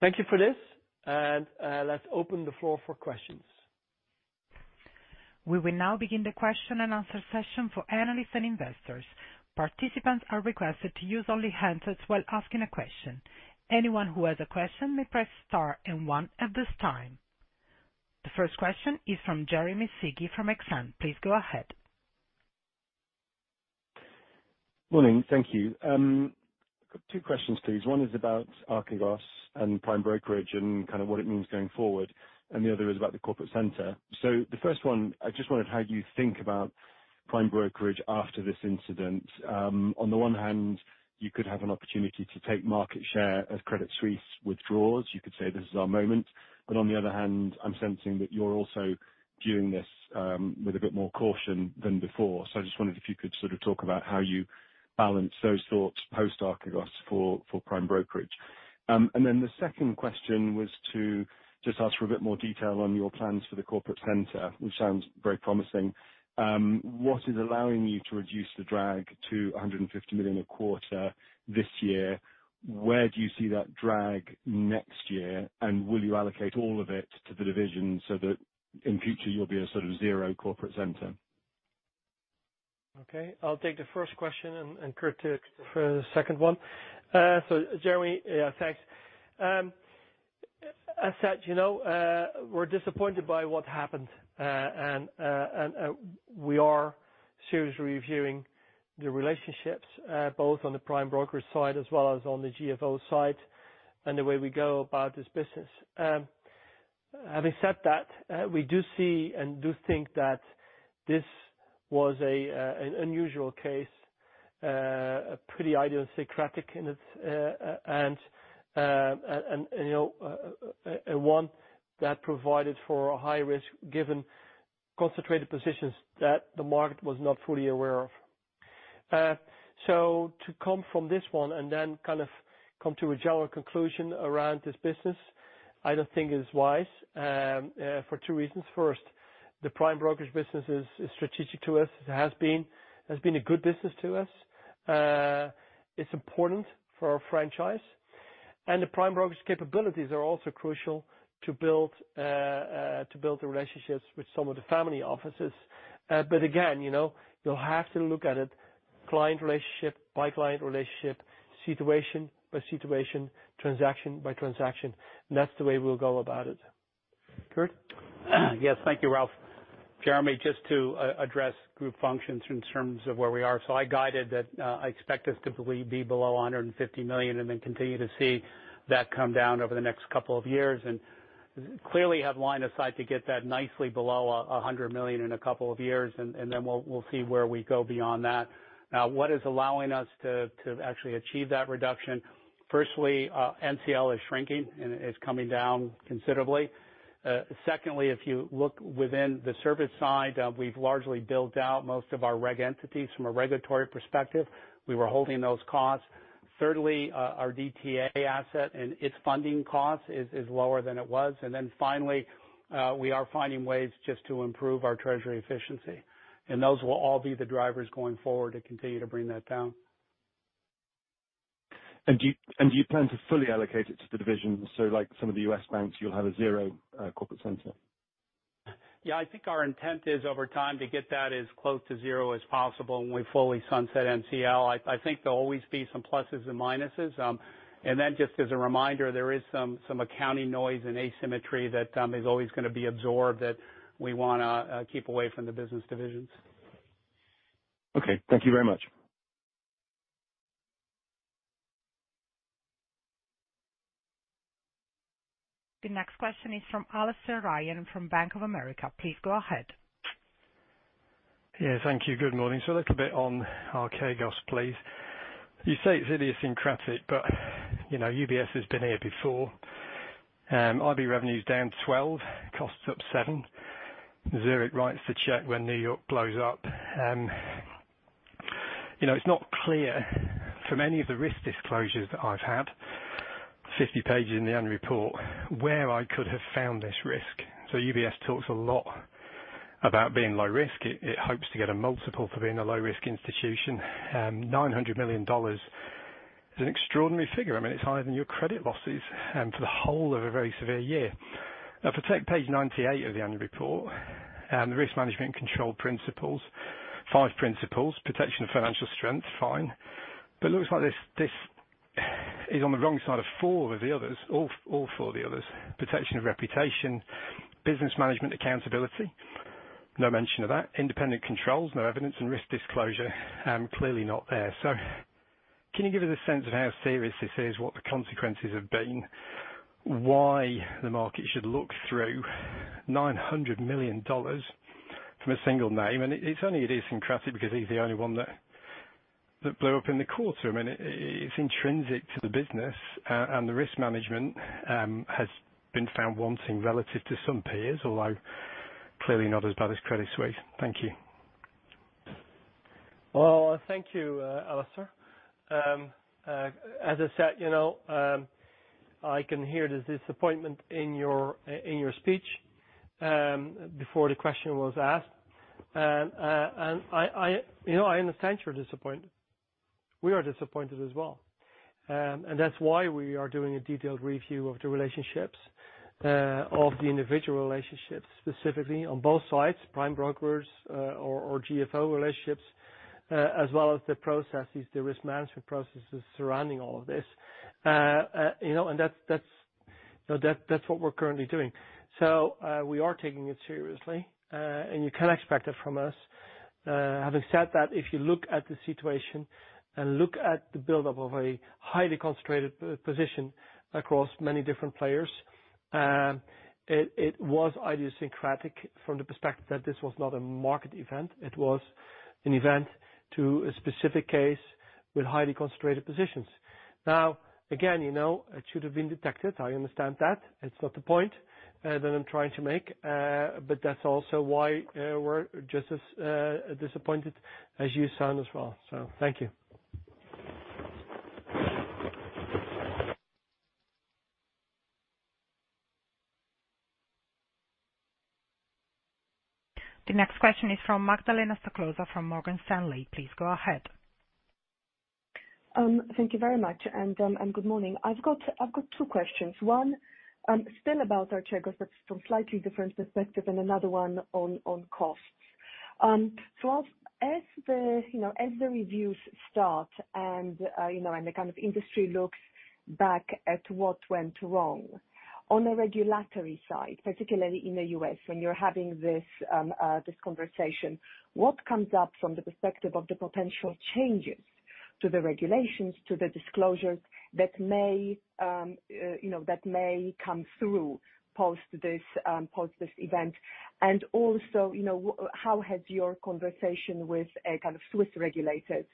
C: Thank you for this. Let's open the floor for questions.
A: We will now begin the question and answer session for analysts and investors. Participants are requested to use only handsets while asking a question. Anyone who has a question may press star and one at this time. The first question is from Jeremy Sigee from Exane. Please go ahead.
E: Morning. Thank you. Two questions, please. One is about Archegos and prime brokerage and kind of what it means going forward, and the other is about the corporate center. The first one, I just wondered how you think about prime brokerage after this incident. On the one hand, you could have an opportunity to take market share as Credit Suisse withdraws. You could say, "This is our moment," but on the other hand, I'm sensing that you're also viewing this with a bit more caution than before. I just wondered if you could sort of talk about how you balance those thoughts post-Archegos for prime brokerage. The second question was to just ask for a bit more detail on your plans for the corporate center, which sounds very promising. What is allowing you to reduce the drag to 150 million a quarter this year? Where do you see that drag next year, and will you allocate all of it to the division so that in future you'll be a sort of zero corporate center?
C: Okay. I'll take the first question and Kirt for the second one. Jeremy, thanks. As such, you know, we're disappointed by what happened. We are seriously reviewing the relationships, both on the prime broker side as well as on the GFO side and the way we go about this business. Having said that, we do see and do think that this was an unusual case, pretty idiosyncratic in its, and you know, and one that provided for a high risk given concentrated positions that the market was not fully aware of. To come from this one and then kind of come to a general conclusion around this business, I don't think is wise for two reasons. First, the prime brokerage business is strategic to us. It has been. It has been a good business to us. It's important for our franchise, and the prime brokerage capabilities are also crucial to build the relationships with some of the family offices. Again, you know, you'll have to look at it client relationship by client relationship, situation by situation, transaction by transaction, and that's the way we'll go about it. Kirt?
D: Yes. Thank you, Ralph. Jeremy, just to address group functions in terms of where we are. I guided that I expect us to be below 150 million and then continue to see that come down over the next couple of years and clearly have lined aside to get that nicely below 100 million in a couple of years, and then we'll see where we go beyond that. What is allowing us to actually achieve that reduction? Firstly, NCL is shrinking and it's coming down considerably. Secondly, if you look within the service side, we've largely built out most of our reg entities from a regulatory perspective. We were holding those costs. Thirdly, our DTA asset and its funding cost is lower than it was. Finally, we are finding ways just to improve our treasury efficiency, and those will all be the drivers going forward to continue to bring that down.
E: Do you plan to fully allocate it to the divisions? So like some of the U.S. banks, you'll have a 0, corporate center?
D: Yeah, I think our intent is over time to get that as close to zero as possible when we fully sunset NCL. I think there'll always be some pluses and minuses. Just as a reminder, there is some accounting noise and asymmetry that is always gonna be absorbed that we wanna keep away from the business divisions.
E: Okay. Thank you very much.
A: The next question is from Alastair Ryan from Bank of America. Please go ahead.
F: Thank you. Good morning. A little bit on Archegos, please. You say it's idiosyncratic, but, you know, UBS has been here before. IB revenue's down 12, costs up 7. Zurich writes the check when New York blows up. You know, it's not clear from any of the risk disclosures that I've had, 50 pages in the annual report, where I could have found this risk. UBS talks a lot about being low risk. It hopes to get a multiple for being a low risk institution. $900 million is an extraordinary figure. I mean, it's higher than your credit losses for the whole of a very severe year. If you take page 98 of the annual report, the risk management control principles, five principles, protection of financial strength, fine. Looks like this is on the wrong side of four of the others, all four of the others. Protection of reputation, business management accountability, no mention of that. Independent controls, no evidence and risk disclosure, clearly not there. Can you give us a sense of how serious this is, what the consequences have been, why the market should look through CHF 900 million from a single name? It's only idiosyncratic because he's the only one that blew up in the quarter. I mean, it's intrinsic to the business, and the risk management has been found wanting relative to some peers, although clearly not as bad as Credit Suisse. Thank you.
C: Well, thank you, Alastair. As I said, you know, I can hear the disappointment in your, in your speech, before the question was asked. I, you know, I understand your disappointment. We are disappointed as well. That's why we are doing a detailed review of the relationships, of the individual relationships, specifically on both sides, prime brokers, or GFO relationships, as well as the processes, the risk management processes surrounding all of this. You know, that's, you know, that's what we're currently doing. We are taking it seriously, you can expect it from us. Having said that, if you look at the situation and look at the buildup of a highly concentrated position across many different players, it was idiosyncratic from the perspective that this was not a market event. It was an event to a specific case with highly concentrated positions. Now, again, you know, it should have been detected. I understand that. It's not the point that I'm trying to make. But that's also why we're just as disappointed as you sound as well. Thank you.
A: The next question is from Magdalena Stoklosa from Morgan Stanley. Please go ahead.
G: Thank you very much. Good morning. I've got two questions. One, still about Archegos but from slightly different perspective and another one on costs. First, as the, you know, as the reviews start, you know, and the kind of industry looks back at what went wrong, on the regulatory side, particularly in the U.S. when you're having this conversation, what comes up from the perspective of the potential changes to the regulations, to the disclosures that may, you know, that may come through post this post this event? Also, you know, how has your conversation with a kind of Swiss regulators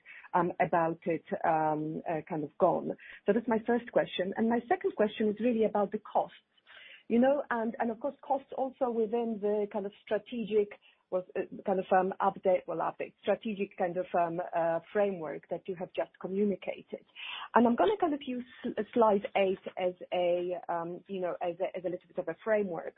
G: about it kind of gone? That's my first question. My second question is really about the costs. You know, of course, costs also within the kind of strategic was, kind of, update, well, update, strategic kind of, framework that you have just communicated. I'm gonna kind of use slide eight as a, you know, as a, as a little bit of a framework.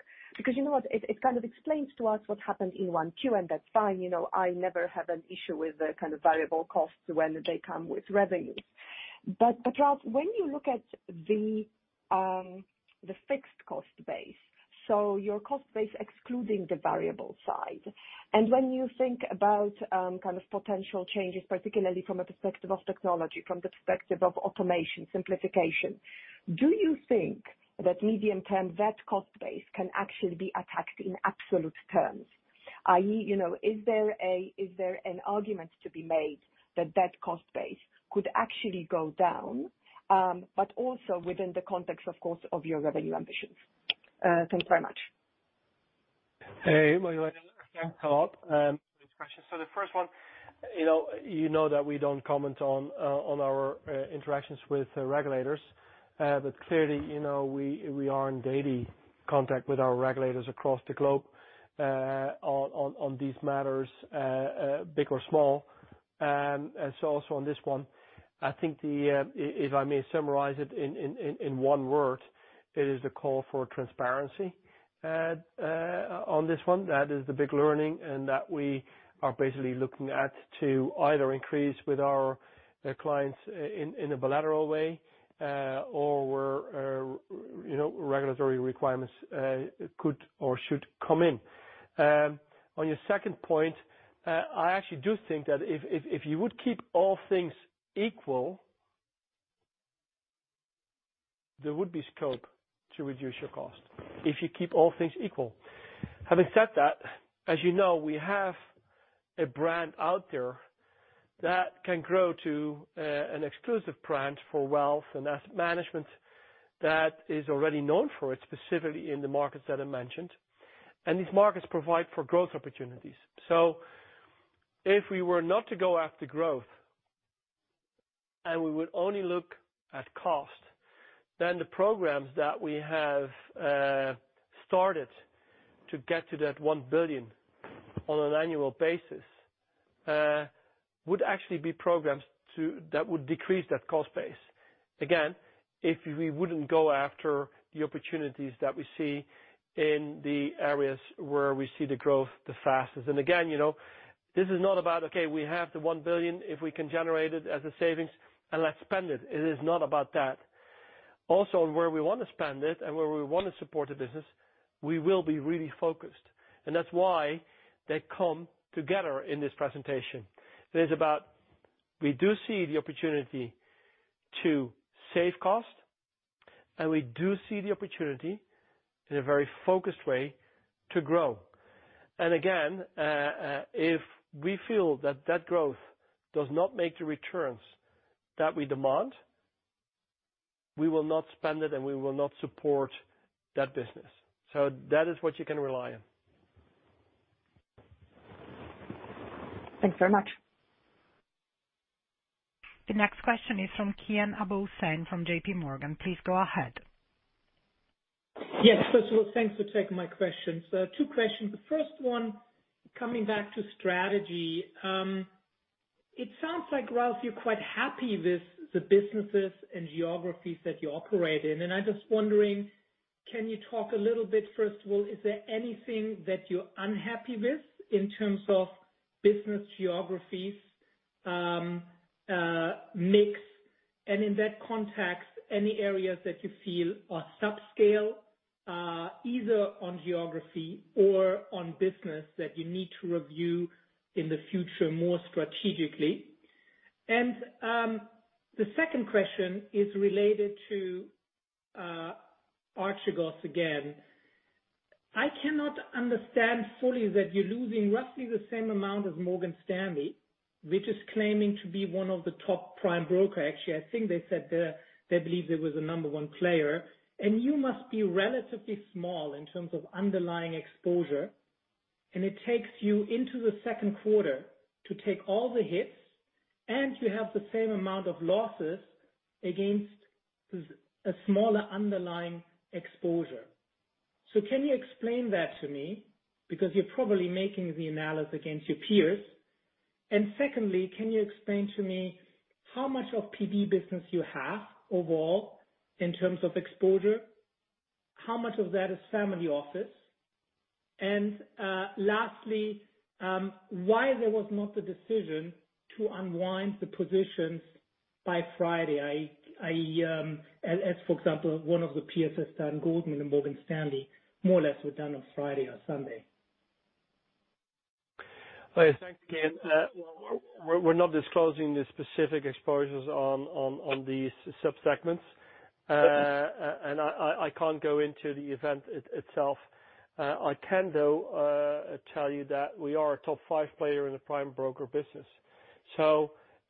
G: You know what? It kind of explains to us what happened in 1Q, and that's fine. You know, I never have an issue with the kind of variable costs when they come with revenues. Ralph, when you look at the fixed cost base, so your cost base excluding the variable side, and when you think about, kind of potential changes, particularly from a perspective of technology, from the perspective of automation, simplification, do you think that medium term, that cost base can actually be attacked in absolute terms? I.e., you know, is there an argument to be made that that cost base could actually go down, but also within the context, of course, of your revenue ambitions? Thanks very much.
C: Hey, Magdalena. Thanks a lot for these questions. The first one, you know, you know that we don't comment on our interactions with regulators. Clearly, you know, we are in daily contact with our regulators across the globe on these matters, big or small. Also on this one, I think if I may summarize it in one word, it is the call for transparency. On this one, that is the big learning and that we are basically looking at to either increase with our clients in a bilateral way, or where, you know, regulatory requirements could or should come in. On your second point, I actually do think that if you would keep all things equal, there would be scope to reduce your cost. If you keep all things equal. Having said that, as you know, we have a brand out there that can grow to an exclusive brand for wealth and asset management that is already known for it, specifically in the markets that I mentioned. These markets provide for growth opportunities. If we were not to go after growth and we would only look at cost, then the programs that we have started to get to that 1 billion on an annual basis, would actually be programs to that would decrease that cost base. Again, if we wouldn't go after the opportunities that we see in the areas where we see the growth the fastest. Again, you know, this is not about, okay, we have the 1 billion, if we can generate it as a savings and let's spend it. It is not about that. Where we wanna spend it and where we wanna support the business, we will be really focused. That's why they come together in this presentation. It is about we do see the opportunity to save cost, and we do see the opportunity in a very focused way to grow. Again, if we feel that that growth does not make the returns that we demand, we will not spend it and we will not support that business. That is what you can rely on.
G: Thanks very much.
A: The next question is from Kian Abouhossein from JPMorgan. Please go ahead.
H: Yes. First of all, thanks for taking my questions. Two questions. The first one, coming back to strategy, it sounds like, Ralph, you're quite happy with the businesses and geographies that you operate in. Can you talk a little bit, first of all, is there anything that you're unhappy with in terms of business geographies, mix? In that context, any areas that you feel are subscale, either on geography or on business that you need to review in the future more strategically. The second question is related to Archegos again. I cannot understand fully that you're losing roughly the same amount as Morgan Stanley, which is claiming to be one of the top prime broker. Actually, I think they said they believe they were the number one player. You must be relatively small in terms of underlying exposure, and it takes you into the second quarter to take all the hits, and you have the same amount of losses against a smaller underlying exposure. Can you explain that to me? Because you're probably making the analysis against your peers. Secondly, can you explain to me how much of PB business you have overall in terms of exposure? How much of that is family office? Lastly, why there was not the decision to unwind the positions by Friday? I, for example, one of the peers as Goldman and Morgan Stanley more or less were done on Friday or Sunday.
C: Thanks again. We're not disclosing the specific exposures on, on these subsegments. I can't go into the event itself. I can, though, tell you that we are a top 5 player in the prime broker business.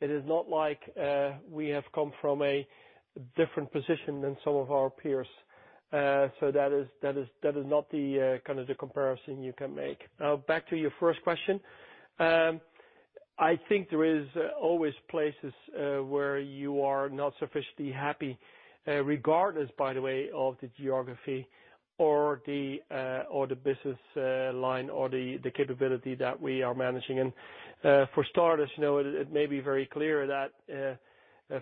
C: It is not like we have come from a different position than some of our peers. That is, that is, that is not the kind of the comparison you can make. Now, back to your first question. I think there is always places where you are not sufficiently happy, regardless, by the way, of the geography or the business line or the capability that we are managing. For starters, you know, it may be very clear that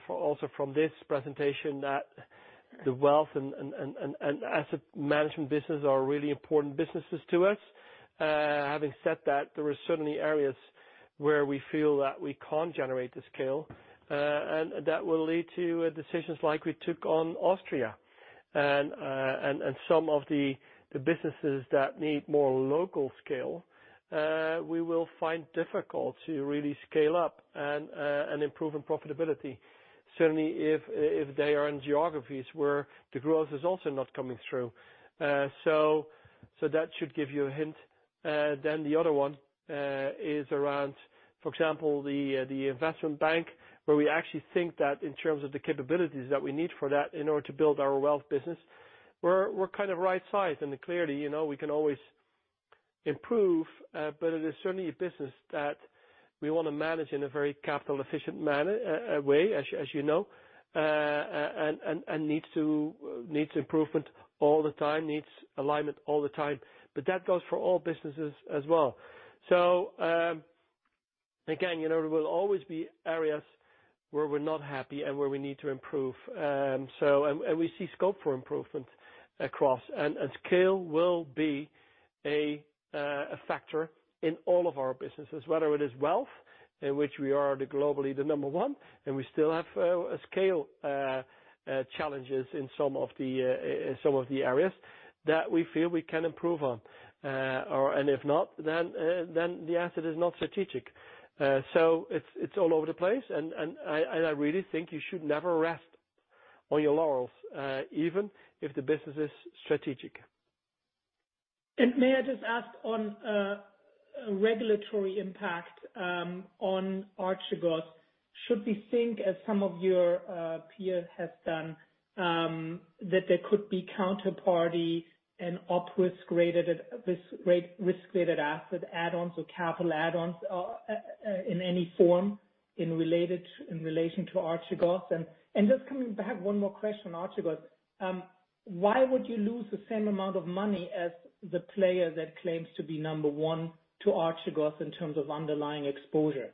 C: for also from this presentation, that the wealth and Asset Management business are really important businesses to us. Having said that, there are certainly areas where we feel that we can't generate the scale, and that will lead to decisions like we took on Austria. Some of the businesses that need more local scale, we will find difficult to really scale up and improve in profitability, certainly if they are in geographies where the growth is also not coming through. That should give you a hint. The other one is around, for example, the Investment Bank, where we actually think that in terms of the capabilities that we need for that in order to build our wealth business, we're kind of right sized. Clearly, you know, we can always improve, but it is certainly a business that we wanna manage in a very capital efficient manner, as you know, and needs improvement all the time, needs alignment all the time. That goes for all businesses as well. Again, you know, there will always be areas where we're not happy and where we need to improve. We see scope for improvement across. Scale will be a factor in all of our businesses, whether it is wealth, in which we are the globally the number one, and we still have scale challenges in some of the areas that we feel we can improve on. If not, then the asset is not strategic. It's all over the place. I really think you should never rest on your laurels, even if the business is strategic.
H: May I just ask on regulatory impact on Archegos? Should we think, as some of your peers have done, that there could be counterparty and upwards graded, risk graded asset add-ons or capital add-ons in any form in relation to Archegos? Just coming back, one more question on Archegos. Why would you lose the same amount of money as the player that claims to be number one to Archegos in terms of underlying exposure?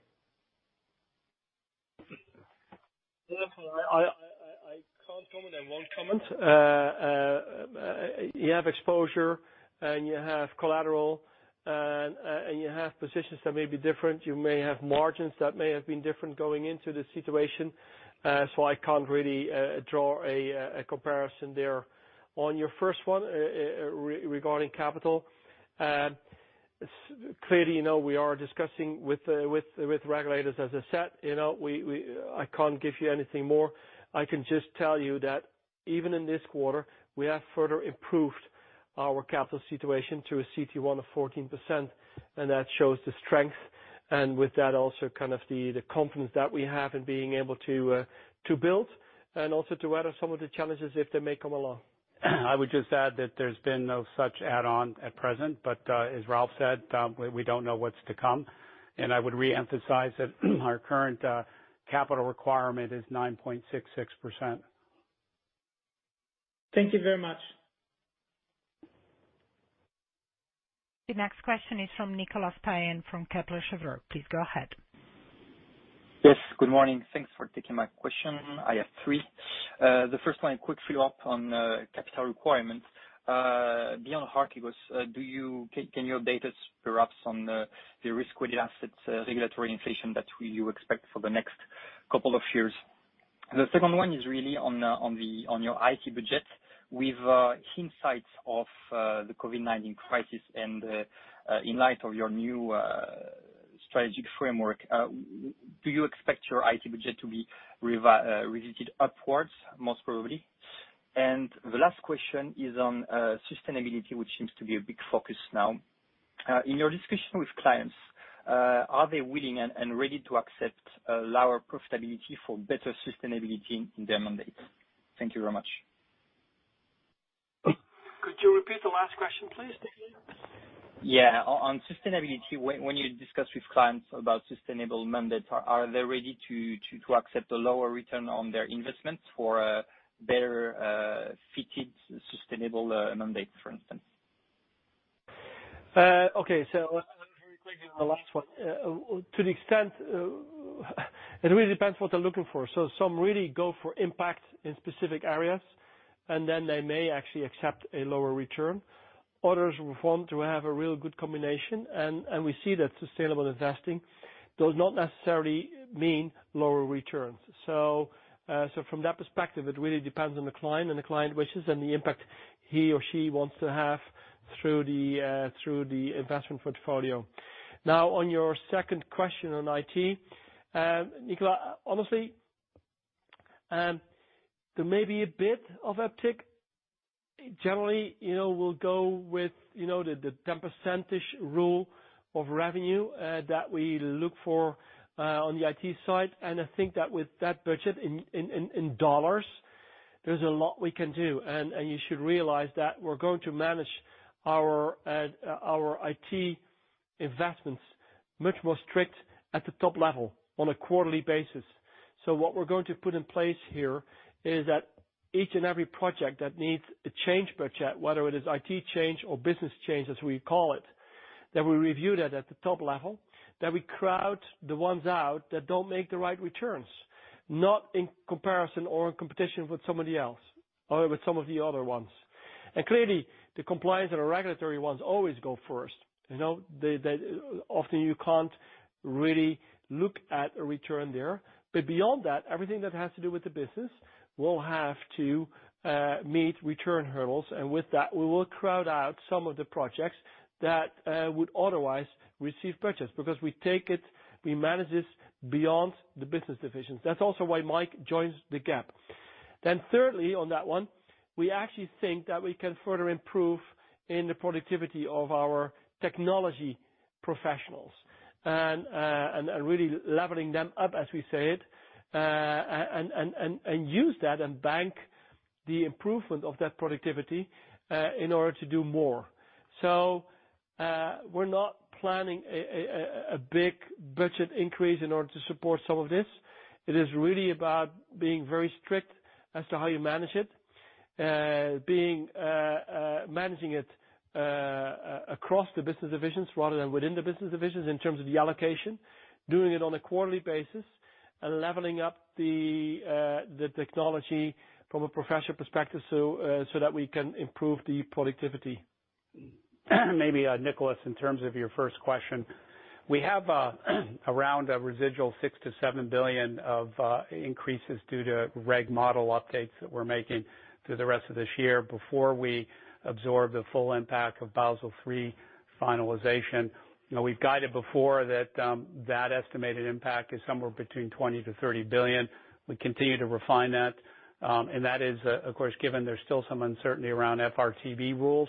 C: I can't comment and won't comment. You have exposure, and you have collateral, and you have positions that may be different. You may have margins that may have been different going into the situation. I can't really draw a comparison there. On your first one, regarding capital, clearly, you know, we are discussing with regulators, as I said. You know, I can't give you anything more. I can just tell you that even in this quarter, we have further improved our capital situation to a CET1 of 14%, and that shows the strength, and with that, also kind of the confidence that we have in being able to build and also to weather some of the challenges if they may come along.
D: I would just add that there's been no such add-on at present, but, as Ralph said, we don't know what's to come, and I would reemphasize that our current, capital requirement is 9.66%.
H: Thank you very much.
A: The next question is from Nicolas Payen from Kepler Cheuvreux. Please go ahead.
I: Yes, good morning. Thanks for taking my question. I have three. The first one, a quick follow-up on capital requirements. Beyond Archegos, can you update us perhaps on the risk-weighted assets regulatory inflation that you expect for the next couple of years? The second one is really on your IT budget. With insights of the COVID-19 crisis and in light of your new strategic framework, do you expect your IT budget to be revisited upwards most probably? The last question is on sustainability, which seems to be a big focus now. In your discussion with clients, are they willing and ready to accept a lower profitability for better sustainability in their mandates? Thank you very much.
C: Could you repeat the last question, please?
I: Yeah. On sustainability, when you discuss with clients about sustainable mandates, are they ready to accept a lower return on their investments for better fitted sustainable mandate, for instance?
C: Okay. Very quickly on the last one. To the extent it really depends what they're looking for. Some really go for impact in specific areas, and then they may actually accept a lower return. Others want to have a real good combination. We see that sustainable investing does not necessarily mean lower returns. From that perspective, it really depends on the client and the client wishes and the impact he or she wants to have through the investment portfolio. On your second question on IT, Nicolas, honestly, there may be a bit of uptick. Generally, you know, we'll go with, you know, the 10%-ish rule of revenue that we look for on the IT side. I think that with that budget in dollars, there's a lot we can do. You should realize that we're going to manage our IT investments much more strict at the top level on a quarterly basis. What we're going to put in place here is that each and every project that needs a change budget, whether it is IT change or business change, as we call it, that we review that at the top level, that we crowd the ones out that don't make the right returns, not in comparison or in competition with somebody else or with some of the other ones. Clearly, the compliance and regulatory ones always go first. You know, they Often you can't really look at a return there. Beyond that, everything that has to do with the business will have to meet return hurdles. With that, we will crowd out some of the projects that would otherwise receive purchase because we take it, we manage this beyond the business divisions. That's also why Mike Dargan joins the GEB. Thirdly, on that one, we actually think that we can further improve in the productivity of our technology professionals and really leveling them up as we said, and use that and bank the improvement of that productivity in order to do more. We're not planning a big budget increase in order to support some of this. It is really about being very strict as to how you manage it, being managing it across the business divisions rather than within the business divisions in terms of the allocation, doing it on a quarterly basis and leveling up the technology from a professional perspective so that we can improve the productivity.
D: Maybe, Nicolas, in terms of your first question, we have around a residual 6 billion-7 billion of increases due to reg model updates that we're making through the rest of this year before we absorb the full impact of Basel III finalization. You know, we've guided before that estimated impact is somewhere between 20 billion-30 billion. We continue to refine that. That is, of course, given there's still some uncertainty around FRTB rules.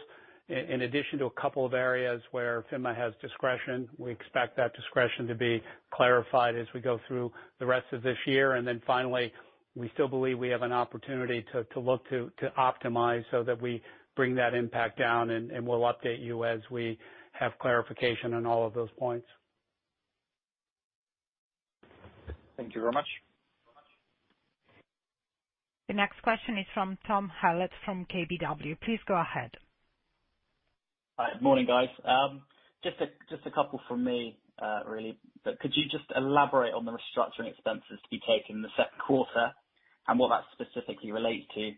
D: In addition to a couple of areas where FINMA has discretion, we expect that discretion to be clarified as we go through the rest of this year. Finally, we still believe we have an opportunity to look to optimize so that we bring that impact down, and we'll update you as we have clarification on all of those points.
I: Thank you very much.
A: The next question is from Tom Hallett from KBW. Please go ahead.
J: Hi. Morning, guys. Just a couple from me, really. Could you just elaborate on the restructuring expenses to be taken in the second quarter and what that specifically relates to?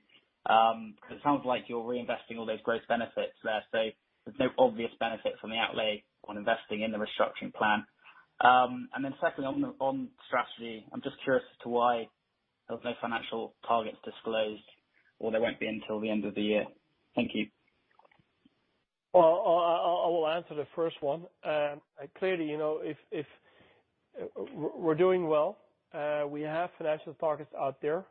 J: 'Cause it sounds like you're reinvesting all those growth benefits there, so there's no obvious benefit from the outlay on investing in the restructuring plan. Secondly, on strategy, I'm just curious as to why there was no financial targets disclosed or there won't be until the end of the year. Thank you.
C: Well, I will answer the first one. Clearly, you know, if we're doing well, we have financial targets out there.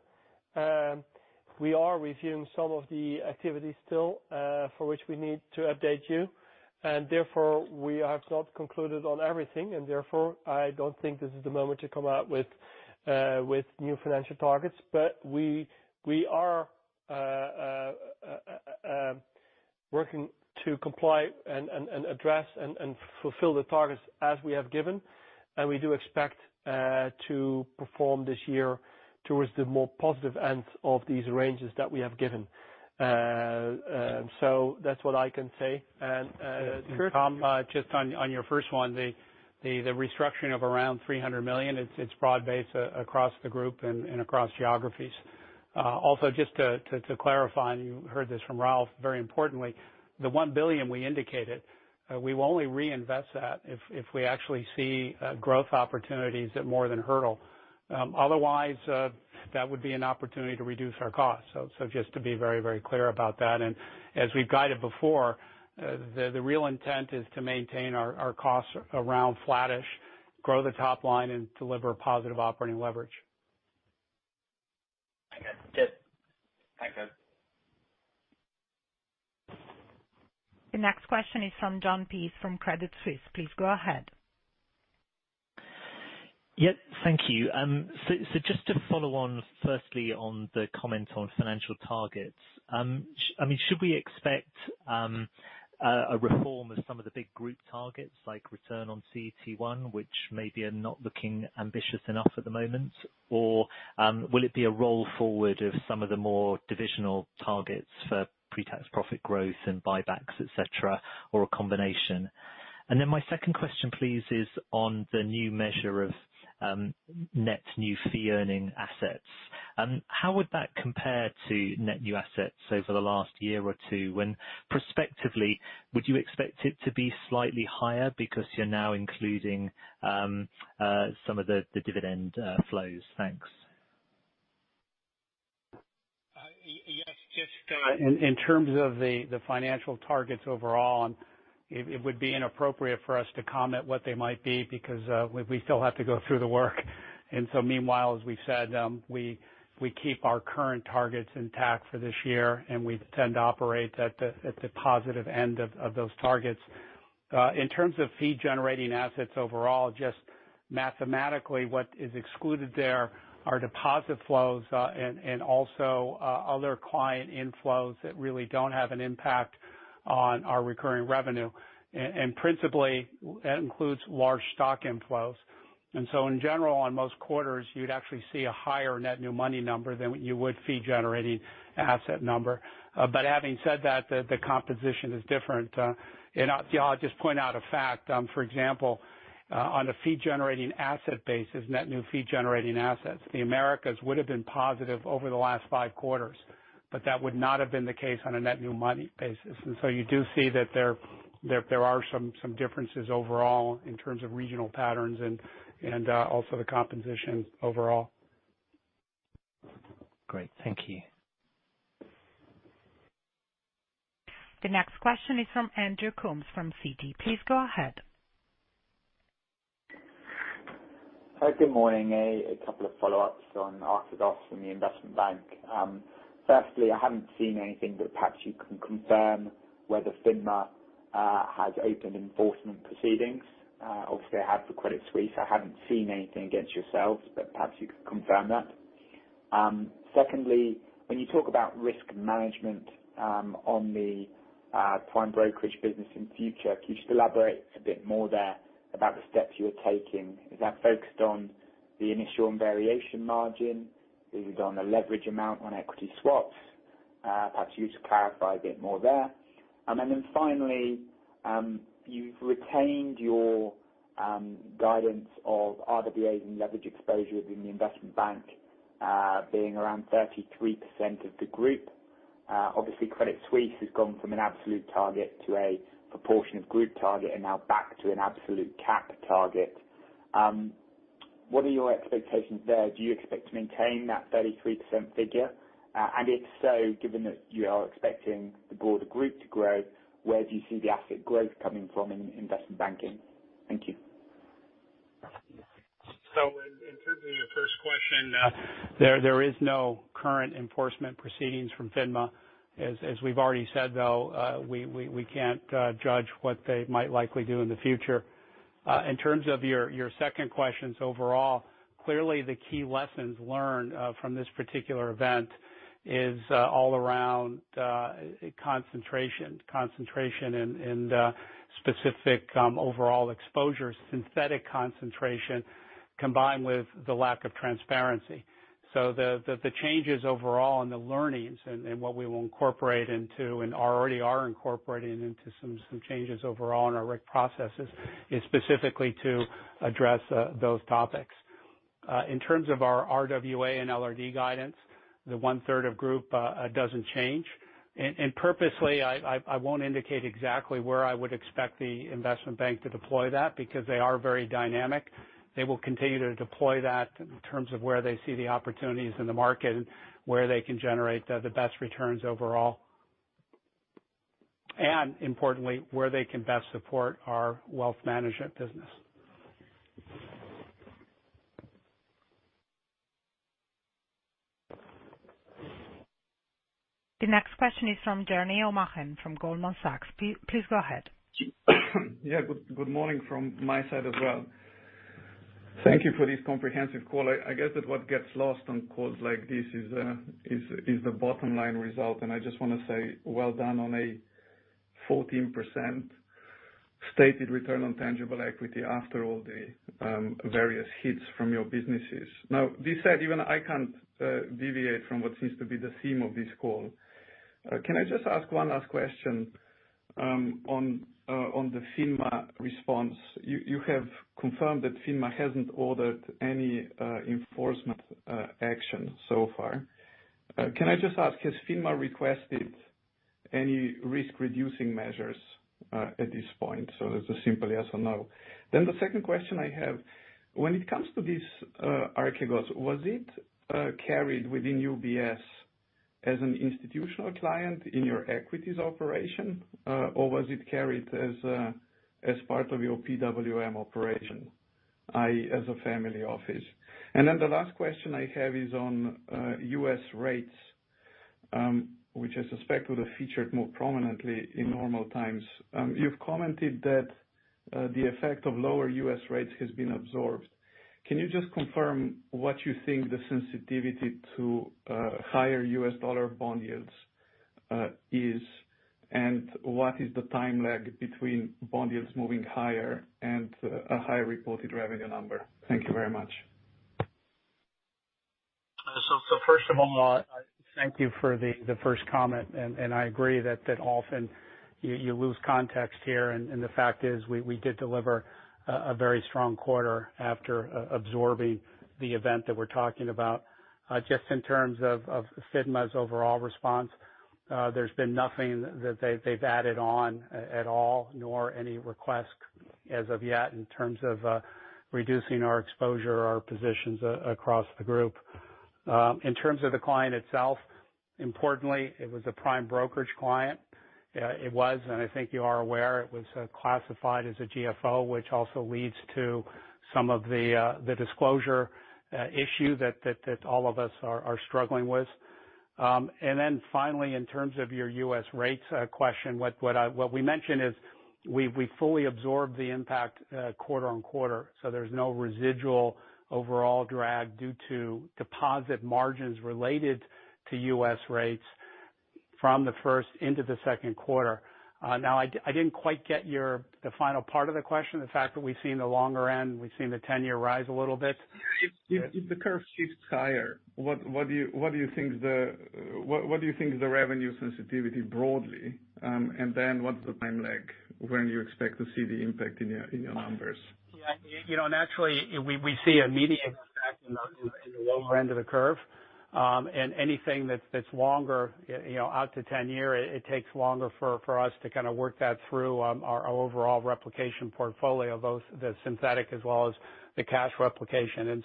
C: We are reviewing some of the activities still, for which we need to update you, and therefore we have not concluded on everything, and therefore, I don't think this is the moment to come out with new financial targets. We are working to comply and address and fulfill the targets as we have given. We do expect to perform this year towards the more positive ends of these ranges that we have given. That's what I can say.
D: Tom, just on your first one, the restructuring of around 300 million, it's broad-based across the group and across geographies. Also just to clarify, and you heard this from Ralph, very importantly, the 1 billion we indicated, we will only reinvest that if we actually see growth opportunities at more than hurdle. Otherwise, that would be an opportunity to reduce our costs. Just to be very clear about that. As we've guided before, the real intent is to maintain our costs around flattish, grow the top line and deliver positive operating leverage.
J: Okay. Yep. Thanks, guys.
A: The next question is from Jon Peace from Credit Suisse. Please go ahead.
K: Thank you. Just to follow on firstly on the comment on financial targets, I mean, should we expect a reform of some of the big group targets like return on CET1, which maybe are not looking ambitious enough at the moment? Or, will it be a roll forward of some of the more divisional targets for pre-tax profit growth and buybacks, et cetera, or a combination? My second question, please, is on the new measure of net new fee-earning assets. How would that compare to net new assets over the last year or two? When prospectively, would you expect it to be slightly higher because you're now including some of the dividend flows? Thanks.
D: Yes. Just in terms of the financial targets overall, it would be inappropriate for us to comment what they might be because we still have to go through the work. Meanwhile, as we've said, we keep our current targets intact for this year, and we tend to operate at the positive end of those targets. In terms of fee-generating assets overall, just mathematically what is excluded there are deposit flows, and also other client inflows that really don't have an impact on our recurring revenue. Principally, that includes large stock inflows. In general, on most quarters, you'd actually see a higher net new money number than you would fee-generating asset number. But having said that, the composition is different. I'll, yeah, I'll just point out a fact. For example, on a fee-generating asset basis, net new fee-generating assets, the Americas would have been positive over the last five quarters, but that would not have been the case on a net new money basis. You do see that there are some differences overall in terms of regional patterns and also the composition overall.
K: Great. Thank you.
A: The next question is from Andrew Coombs, from Citi. Please go ahead.
L: Hi, good morning. A couple of follow-ups on Archegos from the Investment Bank. Firstly, I haven't seen anything, but perhaps you can confirm whether FINMA has opened enforcement proceedings. Obviously, it had for Credit Suisse. I haven't seen anything against yourselves, but perhaps you could confirm that. Secondly, when you talk about risk management, on the prime brokerage business in future, could you elaborate a bit more there about the steps you are taking? Is that focused on the initial and variation margin? Is it on the leverage amount on equity swaps? Perhaps you could clarify a bit more there. Finally, you've retained your guidance of RWAs and leverage exposure within the Investment Bank, being around 33% of the group. Obviously, Credit Suisse has gone from an absolute target to a proportion of group target and now back to an absolute cap target. What are your expectations there? Do you expect to maintain that 33% figure? If so, given that you are expecting the broader group to grow, where do you see the asset growth coming from in investment banking? Thank you.
D: In terms of your first question, there is no current enforcement proceedings from FINMA. As we've already said, though, we can't judge what they might likely do in the future. In terms of your second questions overall, clearly the key lessons learned from this particular event is all around concentration. Concentration in specific overall exposure, synthetic concentration, combined with the lack of transparency. The changes overall and the learnings and what we will incorporate into and already are incorporating into some changes overall in our risk processes is specifically to address those topics. In terms of our RWA and LRD guidance, the one-third of group doesn't change. Purposely, I won't indicate exactly where I would expect the Investment Bank to deploy that because they are very dynamic. They will continue to deploy that in terms of where they see the opportunities in the market and where they can generate the best returns overall. Importantly, where they can best support our wealth management business.
A: The next question is from Jernej Omahen from Goldman Sachs. Please go ahead.
M: Yeah. Good morning from my side as well. Thank you for this comprehensive call. I guess that what gets lost on calls like this is the bottom line result. I just wanna say well done on a 14%. Stated return on tangible equity after all the various hits from your businesses. This said, even I can't deviate from what seems to be the theme of this call. Can I just ask one last question on the FINMA response. You have confirmed that FINMA hasn't ordered any enforcement action so far. Can I just ask, has FINMA requested any risk-reducing measures at this point? It's a simple yes or no. The second question I have, when it comes to this Archegos, was it carried within UBS as an institutional client in your equities operation, or was it carried as part of your PWM operation, i.e., as a family office? The last question I have is on U.S. rates, which I suspect would have featured more prominently in normal times. You've commented that the effect of lower U.S. rates has been absorbed. Can you just confirm what you think the sensitivity to higher U.S. dollar bond yields is, and what is the time lag between bond yields moving higher and a higher reported revenue number? Thank you very much.
D: First of all, thank you for the first comment. I agree that often you lose context here. The fact is we did deliver a very strong quarter after absorbing the event that we're talking about. Just in terms of FINMA's overall response, there's been nothing that they've added on at all, nor any requests as of yet in terms of reducing our exposure or our positions across the group. In terms of the client itself, importantly, it was a prime brokerage client. It was, and I think you are aware, it was classified as a GFO, which also leads to some of the disclosure issue that all of us are struggling with. Finally, in terms of your U.S. rates, question, what we mentioned is we fully absorb the impact, quarter-on-quarter, so there's no residual overall drag due to deposit margins related to U.S. rates from the first into the second quarter. I didn't quite get the final part of the question, the fact that we've seen the longer end, we've seen the 10-year rise a little bit.
M: If the curve shifts higher, what do you think the what do you think is the revenue sensitivity broadly? And then what's the time lag when you expect to see the impact in your numbers?
D: Yeah, you know, naturally we see immediate effect in the lower end of the curve. Anything that's 10-year, it takes longer for us to kind of work that through our overall replication portfolio, both the synthetic as well as the cash replication.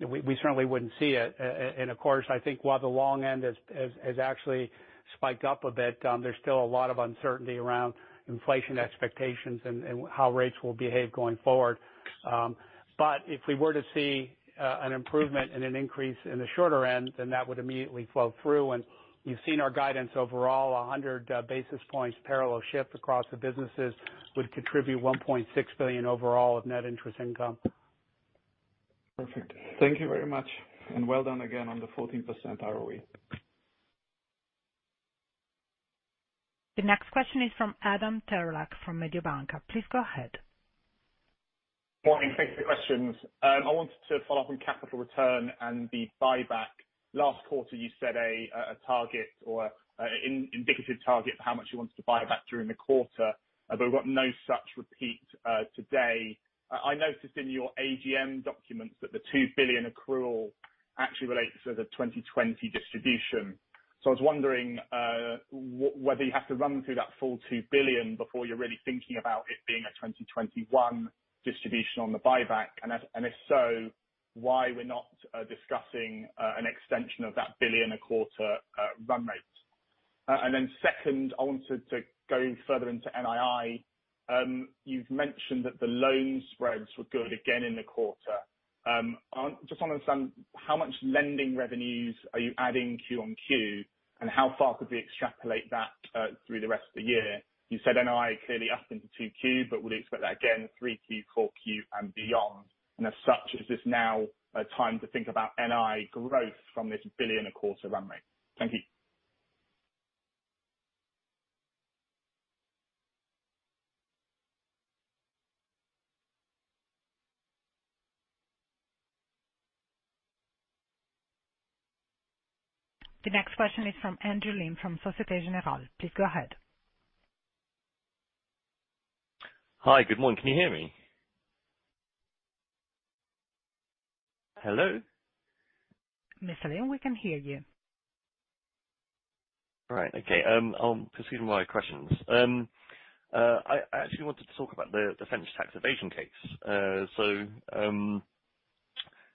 D: We certainly wouldn't see it. Of course, I think while the long end has actually spiked up a bit, there's still a lot of uncertainty around inflation expectations and how rates will behave going forward. If we were to see an improvement and an increase in the shorter end, that would immediately flow through. You've seen our guidance overall, 100 basis points parallel shift across the businesses would contribute 1.6 billion overall of net interest income.
M: Perfect. Thank you very much, and well done again on the 14% ROE.
A: The next question is from Adam Terelak from Mediobanca. Please go ahead.
N: Morning. Thank you for the questions. I wanted to follow up on capital return and the buyback. Last quarter, you set a target or an indicative target for how much you wanted to buy back during the quarter, but we've got no such repeat today. I noticed in your AGM documents that the 2 billion accrual actually relates to the 2020 distribution. I was wondering whether you have to run through that full 2 billion before you're really thinking about it being a 2021 distribution on the buyback, and if so, why we're not discussing an extension of that 1 billion a quarter run rate. Second, I wanted to go further into NII. You've mentioned that the loan spreads were good again in the quarter. I just want to understand how much lending revenues are you adding QoQ, and how far could we extrapolate that through the rest of the year? You said NII clearly up into 2Q, but would you expect that again, 3Q, 4Q and beyond? As such, is this now a time to think about NII growth from this 1 billion a quarter run rate? Thank you.
A: The next question is from Andrew Lim from Societe Generale. Please go ahead.
O: Hi, good morning. Can you hear me? Hello?
A: Mr. Lim, we can hear you.
O: All right. Okay. I'll proceed with my questions. I actually wanted to talk about the French tax evasion case.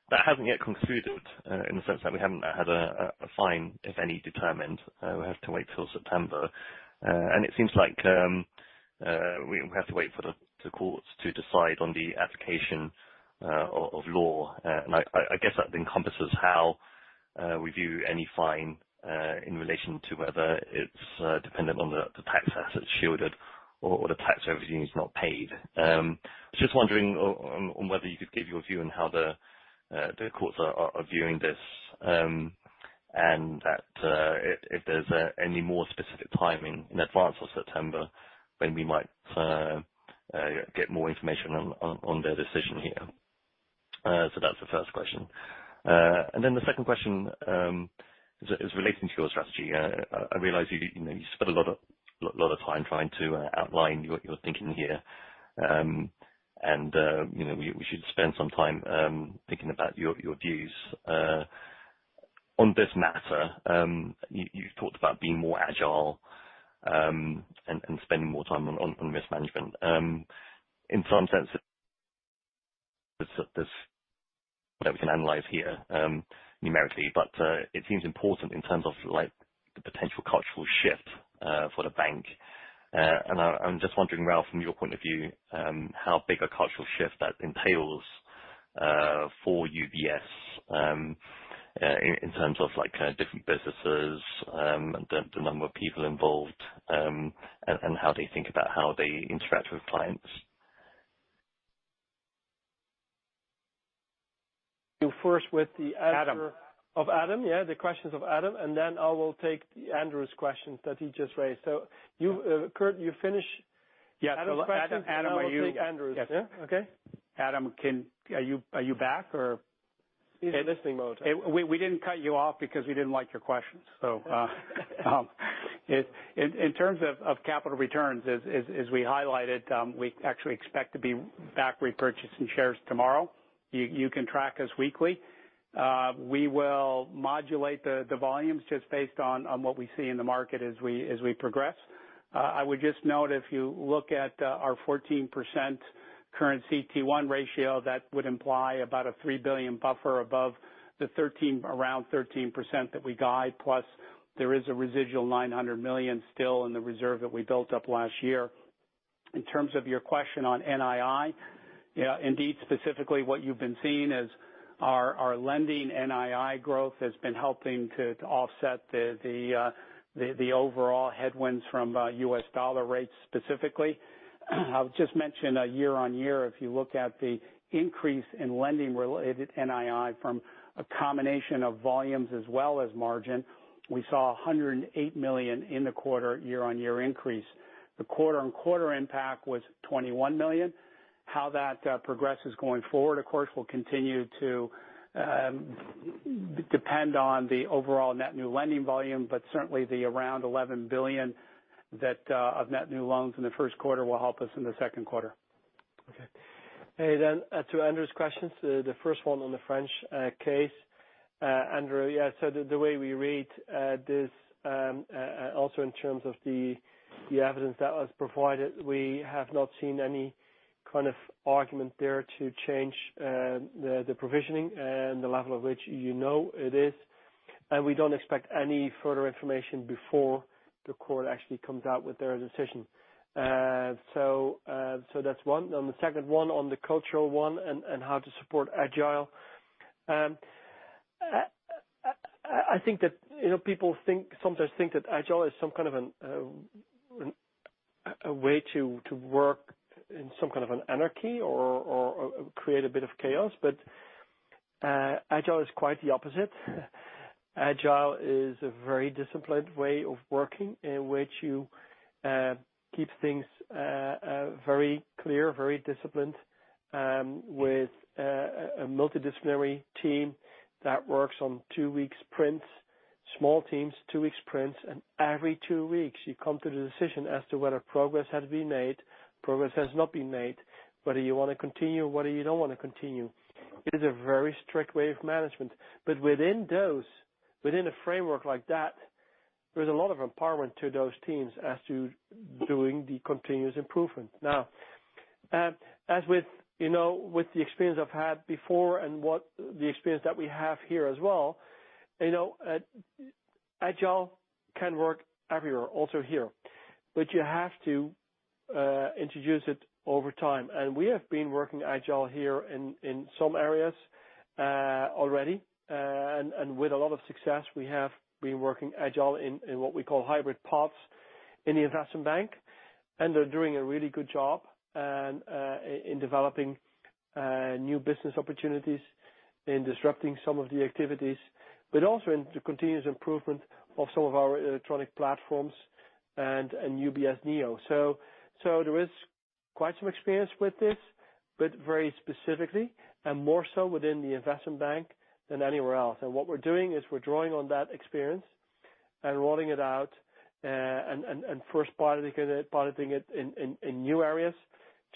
O: That hasn't yet concluded, in the sense that we haven't had a fine, if any, determined. We have to wait till September. It seems like, we have to wait for the courts to decide on the application of law. I guess that encompasses how we view any fine, in relation to whether it's dependent on the tax assets shielded or the tax revenue is not paid. Just wondering on whether you could give your view on how the courts are viewing this. That, if there's any more specific timing in advance of September when we might get more information on their decision here. That's the first question. Then the second question is relating to your strategy. I realize you know, you spent a lot of time trying to outline your thinking here. You know, we should spend some time thinking about your views on this matter. You've talked about being more agile and spending more time on risk management. In some sense, that we can analyze here numerically. It seems important in terms of, like, the potential cultural shift for the bank. I'm just wondering, Ralph, from your point of view, how big a cultural shift that entails for UBS in terms of like different businesses, the number of people involved, and how they think about how they interact with clients.
C: You first with the answer.
D: Adam.
C: Of Adam, yeah, the questions of Adam, and then I will take Andrew's questions that he just raised. You, Kirt, you finish.
D: Yeah. Adam.
C: Adam's questions, and I will take Andrew's.
D: Adam, are you? Yeah. Yes.
C: Yeah? Okay.
D: Adam, are you back?
C: He's in listening mode.
D: We didn't cut you off because we didn't like your questions. In terms of capital returns, as we highlighted, we actually expect to be back repurchasing shares tomorrow. You can track us weekly. We will modulate the volumes just based on what we see in the market as we progress. I would just note, if you look at our 14% current CET1 ratio, that would imply about a 3 billion buffer above the around 13% that we guide. Plus there is a residual 900 million still in the reserve that we built up last year. In terms of your question on NII, yeah, indeed, specifically what you've been seeing is our lending NII growth has been helping to offset the overall headwinds from U.S. dollar rates specifically. I'll just mention year-on-year, if you look at the increase in lending-related NII from a combination of volumes as well as margin, we saw $108 million in the quarter year-on-year increase. The quarter-on-quarter impact was $21 million. How that progresses going forward, of course, will continue to depend on the overall net new lending volume, but certainly the around $11 billion that of net new loans in the first quarter will help us in the second quarter.
C: Okay. Hey, to Andrew's questions, the first one on the French case. Andrew, yeah, the way we read this, also in terms of the evidence that was provided, we have not seen any kind of argument there to change the provisioning and the level of which you know it is, and we don't expect any further information before the court actually comes out with their decision. That's one. On the second one, on the cultural one and how to support Agile. I think that, you know, people sometimes think that Agile is some kind of a way to work in some kind of an anarchy or create a bit of chaos. Agile is quite the opposite. Agile is a very disciplined way of working in which you keep things very clear, very disciplined, with a multidisciplinary team that works on two weeks sprints, small teams, two weeks sprints, and every two weeks you come to the decision as to whether progress has been made, progress has not been made, whether you want to continue, whether you don't want to continue. It is a very strict way of management. Within those, within a framework like that, there's a lot of empowerment to those teams as to doing the continuous improvement. Now, as with, you know, with the experience I've had before and the experience that we have here as well, you know, Agile can work everywhere, also here. You have to introduce it over time. We have been working Agile here in some areas, already. With a lot of success, we have been working Agile in what we call hybrid pods in the Investment Bank, and they're doing a really good job in developing new business opportunities, in disrupting some of the activities, but also in the continuous improvement of some of our electronic platforms and UBS Neo. There is quite some experience with this, but very specifically and more so within the Investment Bank than anywhere else. What we're doing is we're drawing on that experience and rolling it out, and first piloting it in new areas,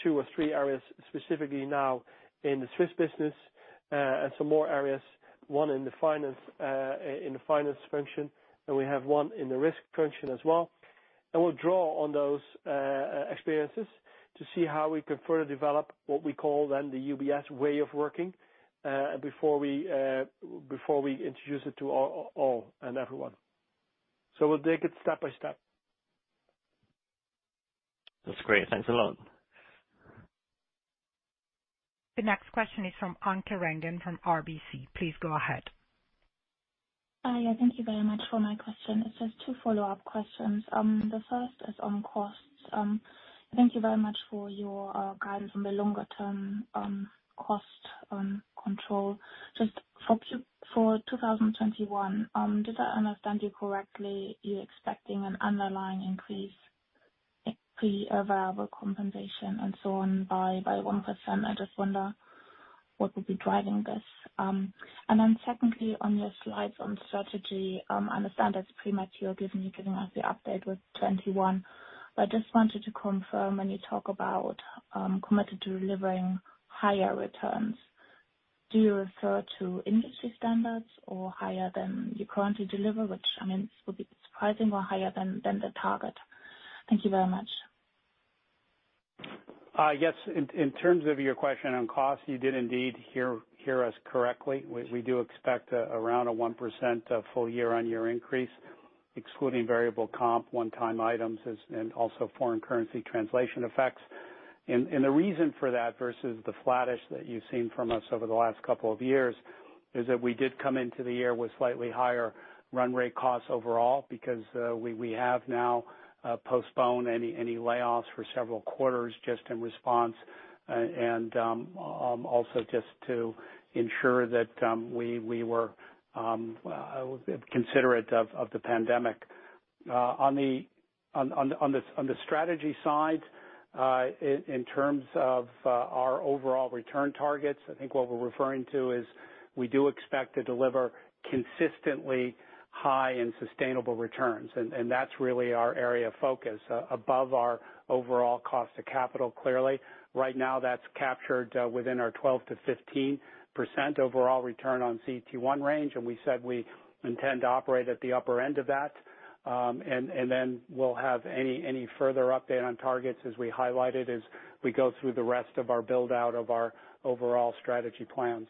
C: two or three areas, specifically now in the Swiss business, and some more areas, one in the finance function, and we have one in the risk function as well. We'll draw on those experiences to see how we can further develop what we call then the UBS way of working, before we introduce it to all and everyone. We'll take it step by step.
O: That's great. Thanks a lot.
A: The next question is from Anke Reingen from RBC. Please go ahead.
P: Yeah, thank you very much for my question. It's just two follow-up questions. The first is on costs. Thank you very much for your guidance on the longer-term cost control. Just for 2021, did I understand you correctly, you're expecting an underlying increase? Pre-available compensation and so on by 1%. I just wonder what would be driving this. Secondly, on your slides on strategy, I understand that's premature, given you're giving us the update with 21. I just wanted to confirm when you talk about committed to delivering higher returns, do you refer to industry standards or higher than you currently deliver, which, I mean, would be surprising or higher than the target? Thank you very much.
D: I guess in terms of your question on costs, you did indeed hear us correctly. We do expect around a 1% full year-over-year increase, excluding variable comp, one-time items and also foreign currency translation effects. The reason for that versus the flattish that you've seen from us over the last couple of years is that we did come into the year with slightly higher run rate costs overall because we have now postponed any layoffs for several quarters just in response and also just to ensure that we were considerate of the pandemic. On the strategy side, in terms of our overall return targets, I think what we're referring to is we do expect to deliver consistently high and sustainable returns. That's really our area of focus above our overall cost of capital, clearly. Right now, that's captured within our 12%-15% overall return on CET1 range, and we said we intend to operate at the upper end of that. Then we'll have any further update on targets as we highlighted as we go through the rest of our build-out of our overall strategy plans.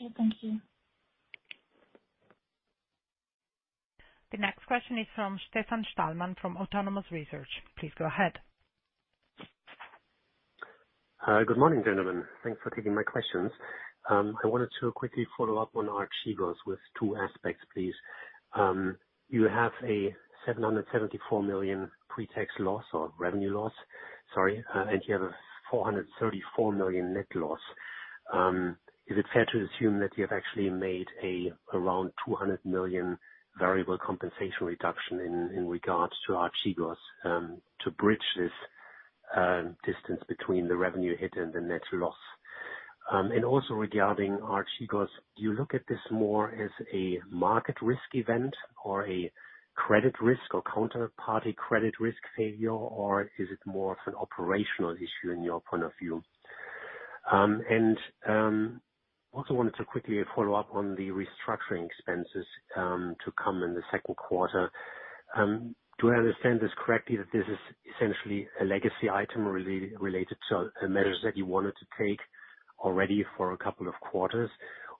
P: Okay, thank you.
A: The next question is from Stefan Stalmann from Autonomous Research. Please go ahead.
Q: Good morning, gentlemen. Thanks for taking my questions. I wanted to quickly follow up on Archegos with two aspects, please. You have a 774 million pre-tax loss or revenue loss, sorry, and you have a 434 million net loss. Is it fair to assume that you have actually made a around 200 million variable compensation reduction in regards to Archegos, to bridge this distance between the revenue hit and the net loss? Also regarding Archegos, do you look at this more as a market risk event or a credit risk or counterparty credit risk failure, or is it more of an operational issue in your point of view? Also wanted to quickly follow up on the restructuring expenses, to come in the second quarter. Do I understand this correctly, that this is essentially a legacy item related to measures that you wanted to take already for a couple of quarters?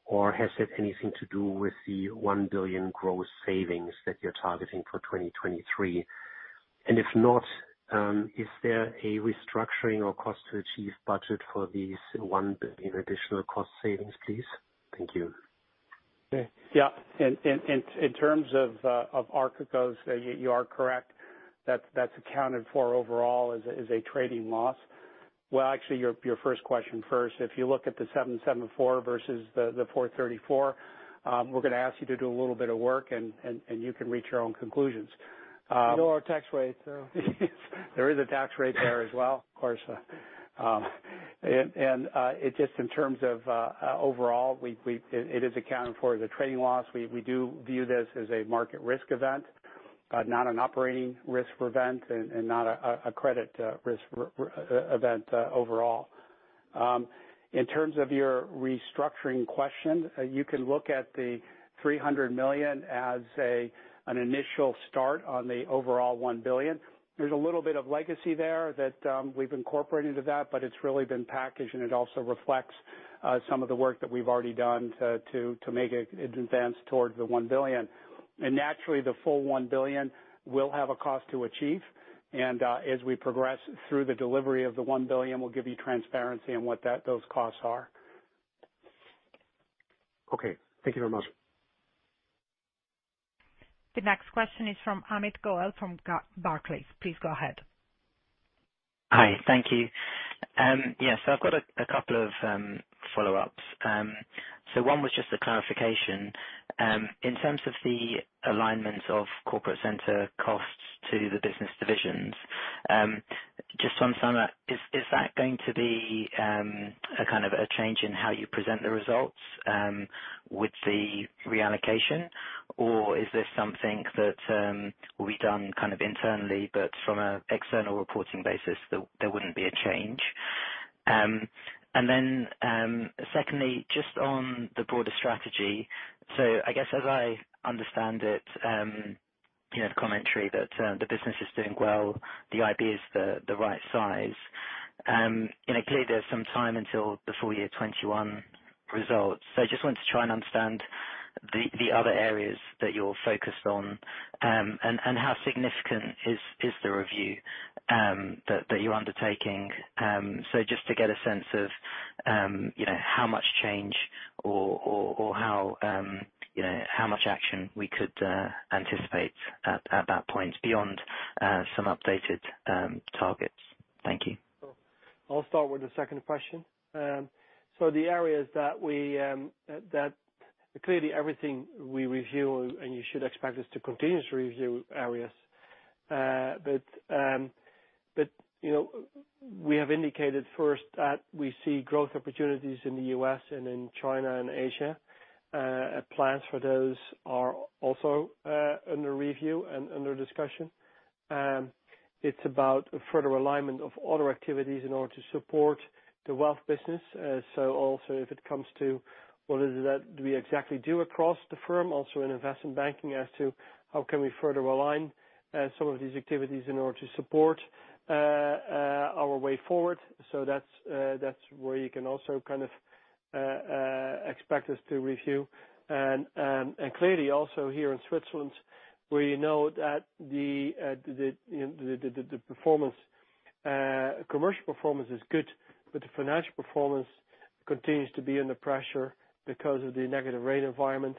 Q: Or has it anything to do with the 1 billion gross savings that you're targeting for 2023? If not, is there a restructuring or cost to achieve budget for these 1 billion additional cost savings, please? Thank you.
D: Yeah. In terms of Archegos, you are correct. That's accounted for overall as a trading loss. Well, actually your first question first. If you look at the 774 versus the 434, we're gonna ask you to do a little bit of work and you can reach your own conclusions.
C: You know our tax rate, so.
D: There is a tax rate there as well, of course. It just in terms of overall, it is accounted for as a trading loss. We do view this as a market risk event, not an operating risk event and not a credit risk event overall. In terms of your restructuring question, you can look at the 300 million as an initial start on the overall 1 billion. There's a little bit of legacy there that we've incorporated into that, but it's really been packaged, and it also reflects some of the work that we've already done to make it advance towards the 1 billion. Naturally, the full 1 billion will have a cost to achieve. As we progress through the delivery of the 1 billion, we'll give you transparency on what those costs are.
Q: Okay. Thank you very much.
A: The next question is from Amit Goel from Barclays. Please go ahead.
R: Hi. Thank you. Yes, I've got a couple of follow-ups. One was just a clarification. In terms of the alignment of corporate center costs to the business divisions, just on some of that, is that going to be a kind of a change in how you present the results with the reallocation? Is this something that will be done kind of internally, but from an external reporting basis, there wouldn't be a change? Secondly, just on the broader strategy. I guess as I understand it, you know, the commentary that the business is doing well, the IB is the right size. Clearly there's some time until the full year 2021 results. I just wanted to try and understand the other areas that you're focused on, and how significant is the review that you're undertaking. Just to get a sense of, you know, how much change or how, you know, how much action we could anticipate at that point beyond some updated targets. Thank you.
C: I'll start with the second question. The areas that we that clearly everything we review, and you should expect us to continuously review areas. You know, we have indicated first that we see growth opportunities in the U.S. and in China and Asia. Plans for those are also under review and under discussion. It's about a further alignment of other activities in order to support the wealth business. Also if it comes to what is it that do we exactly do across the firm, also in investment banking as to how can we further align some of these activities in order to support our way forward. That's that's where you can also kind of expect us to review. Clearly also here in Switzerland, we know that the performance, commercial performance is good, but the financial performance continues to be under pressure because of the negative rate environment.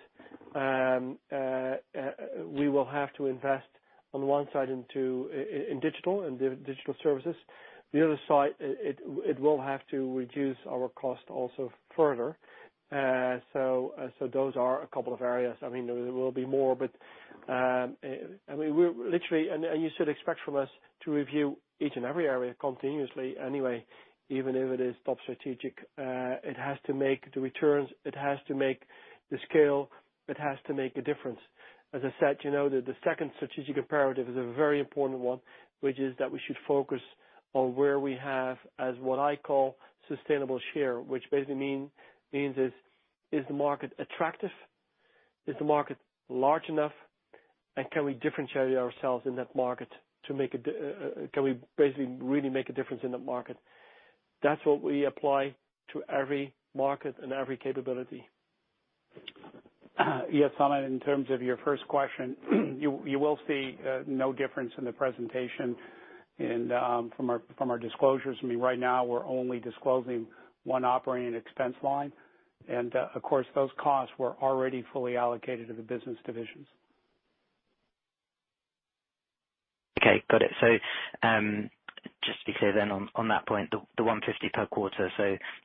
C: We will have to invest on one side into in digital and digital services. The other side, it will have to reduce our cost also further. Those are a couple of areas. I mean, there will be more, but, I mean, we're literally. You should expect from us to review each and every area continuously anyway, even if it is top strategic, it has to make the returns, it has to make the scale, it has to make a difference. As I said, you know, the second strategic imperative is a very important one, which is that we should focus on where we have, as what I call, sustainable share, which basically means is the market attractive? Is the market large enough? Can we differentiate ourselves in that market to make a difference in the market? That's what we apply to every market and every capability.
D: Yes, Amit, in terms of your first question, you will see no difference in the presentation and from our disclosures. I mean, right now we're only disclosing 1 operating expense line. Of course, those costs were already fully allocated to the business divisions.
R: Okay, got it. Just to be clear then on that point, the 150 million per quarter,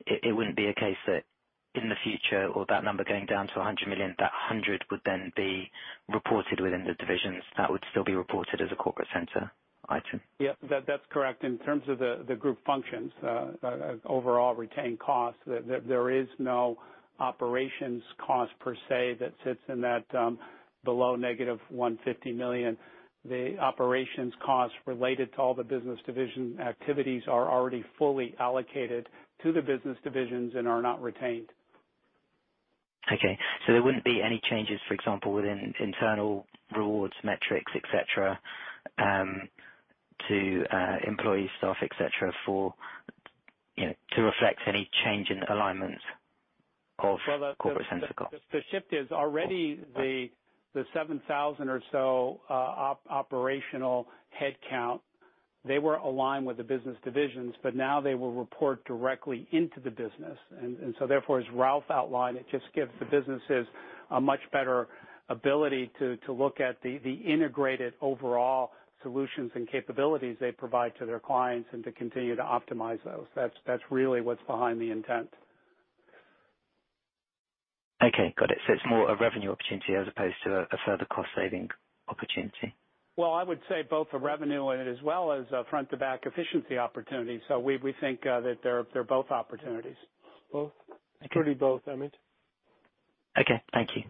R: it wouldn't be a case that in the future or that number going down to 100 million, that 100 million would then be reported within the divisions, that would still be reported as a corporate center item?
D: Yeah, that's correct. In terms of the group functions, overall retained costs, there is no operations cost per se that sits in that, below negative 150 million. The operations costs related to all the business division activities are already fully allocated to the business divisions and are not retained.
R: Okay. There wouldn't be any changes, for example, within internal rewards, metrics, et cetera, to employee staff, et cetera, for, you know, to reflect any change in alignment of corporate center costs?
D: Well, the shift is already.
R: Right.
D: The 7,000 or so operational headcount, they were aligned with the business divisions, but now they will report directly into the business. Therefore, as Ralph outlined, it just gives the businesses a much better ability to look at the integrated overall solutions and capabilities they provide to their clients and to continue to optimize those. That's really what's behind the intent.
R: Okay, got it. It's more a revenue opportunity as opposed to a further cost-saving opportunity.
D: Well, I would say both a revenue and as well as a front to back efficiency opportunity. We think that they're both opportunities.
C: Both.
R: Okay.
C: It's really both, Amit.
R: Okay, thank you.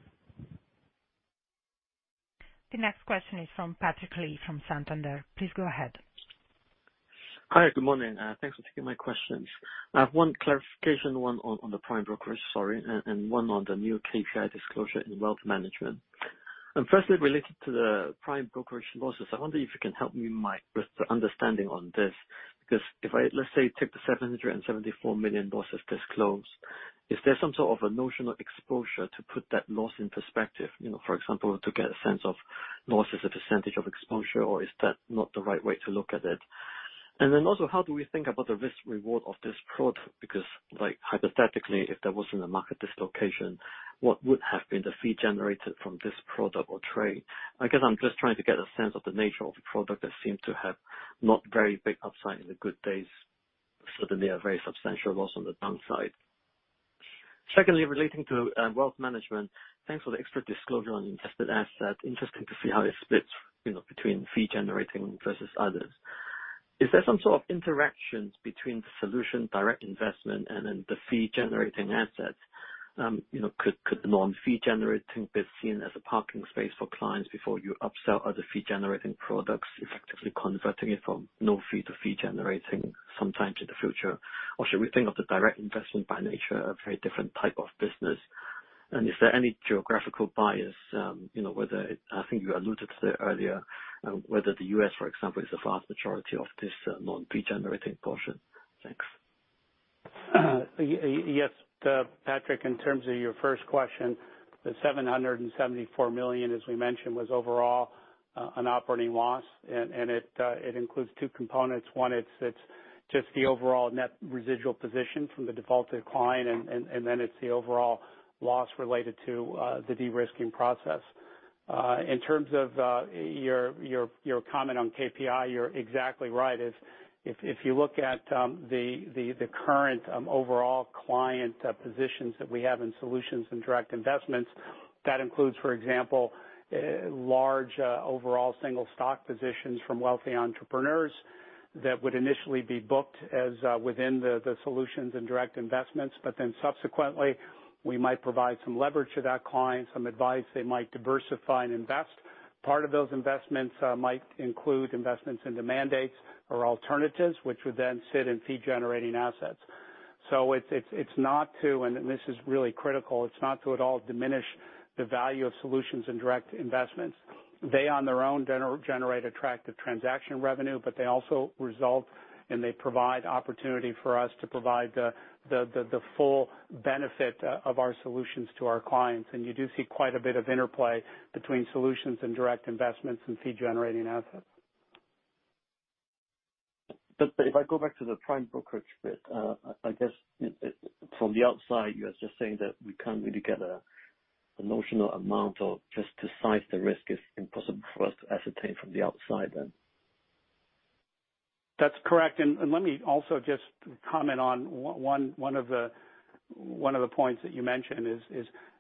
A: The next question is from Patrick Lee, from Santander. Please go ahead.
S: Hi, good morning. Thanks for taking my questions. I have one clarification, one on the prime brokerage, sorry, and one on the new KPI disclosure in wealth management. Firstly, related to the prime brokerage losses, I wonder if you can help me with the understanding on this. Because if I, let's say, take the $774 million losses disclosed, is there some sort of a notional exposure to put that loss in perspective? You know, for example, to get a sense of loss as a percentage of exposure, or is that not the right way to look at it? Also, how do we think about the risk reward of this product? Because like, hypothetically, if there wasn't a market dislocation, what would have been the fee generated from this product or trade? I guess I'm just trying to get a sense of the nature of the product that seemed to have not very big upside in the good days, certainly a very substantial loss on the downside. Secondly, relating to Wealth Management. Thanks for the extra disclosure on invested assets. Interesting to see how it splits, you know, between fee-generating versus others. Is there some sort of interactions between the solution, direct investment, and then the fee-generating assets? You know, could the non-fee-generating be seen as a parking space for clients before you upsell other fee-generating products, effectively converting it from no fee to fee-generating sometime in the future? Should we think of the direct investment by nature, a very different type of business? Is there any geographical bias, you know, I think you alluded to it earlier, whether the U.S., for example, is the vast majority of this, non-fee generating portion? Thanks.
D: Yes, Patrick, in terms of your first question, the 774 million, as we mentioned, was overall an operating loss. It includes two components. One, it's just the overall net residual position from the defaulted client, and then it's the overall loss related to the de-risking process. In terms of your comment on KPI, you're exactly right. If you look at the current overall client positions that we have in solutions and direct investments, that includes, for example, large overall single stock positions from wealthy entrepreneurs that would initially be booked as within the solutions and direct investments. Subsequently, we might provide some leverage to that client, some advice they might diversify and invest. Part of those investments might include investments into mandates or alternatives, which would then sit in fee-generating assets. This is really critical. It's not to at all diminish the value of solutions and direct investments. They, on their own, generate attractive transaction revenue. They also result, and they provide opportunity for us to provide the full benefit of our solutions to our clients. You do see quite a bit of interplay between solutions and direct investments in fee-generating assets.
S: If I go back to the prime brokerage bit, I guess From the outside, you're just saying that we can't really get a notional amount or just the size the risk is impossible for us to ascertain from the outside then.
D: That's correct. Let me also just comment on one of the points that you mentioned.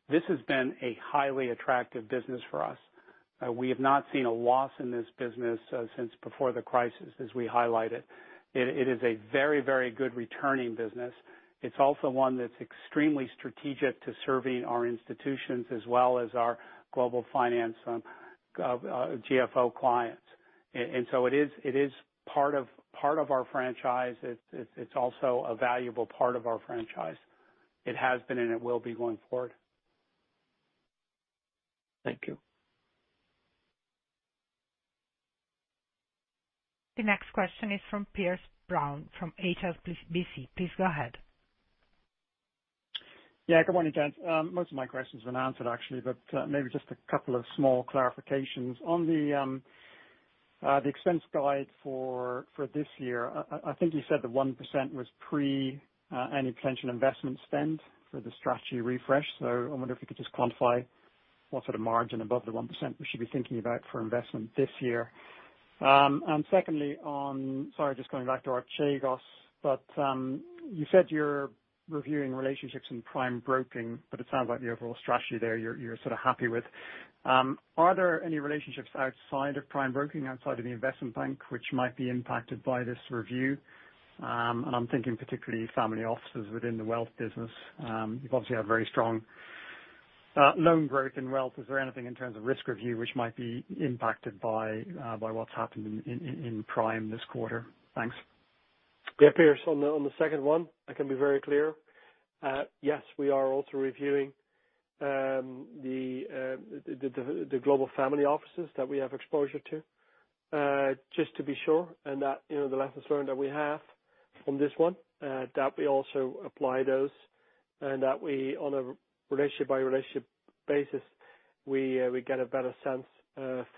D: This has been a highly attractive business for us. We have not seen a loss in this business since before the crisis, as we highlighted. It is a very good returning business. It's also one that's extremely strategic to serving our institutions as well as our global finance GFO clients. It is part of our franchise. It's also a valuable part of our franchise. It has been, and it will be going forward.
S: Thank you.
A: The next question is from Piers Brown from HSBC. Please go ahead.
T: Yeah. Good morning, gents. Most of my questions have been answered actually, but maybe just a couple of small clarifications. On the expense guide for this year, I think you said that 1% was pre- any potential investment spend for the strategy refresh. I wonder if you could just quantify what sort of margin above the 1% we should be thinking about for investment this year. Secondly, on Sorry, just going back to Archegos. You said you're reviewing relationships in prime broking, but it sounds like the overall strategy there, you're sort of happy with. Are there any relationships outside of prime broking, outside of the Investment Bank, which might be impacted by this review? I'm thinking particularly family offices within the wealth business. You obviously have very strong loan growth in wealth. Is there anything in terms of risk review which might be impacted by what's happened in prime this quarter? Thanks.
C: Piers. On the second one, I can be very clear. Yes, we are also reviewing the global family offices that we have exposure to, just to be sure and that, you know, the lessons learned that we have from this one, that we also apply those and that we, on a relationship-by-relationship basis, we get a better sense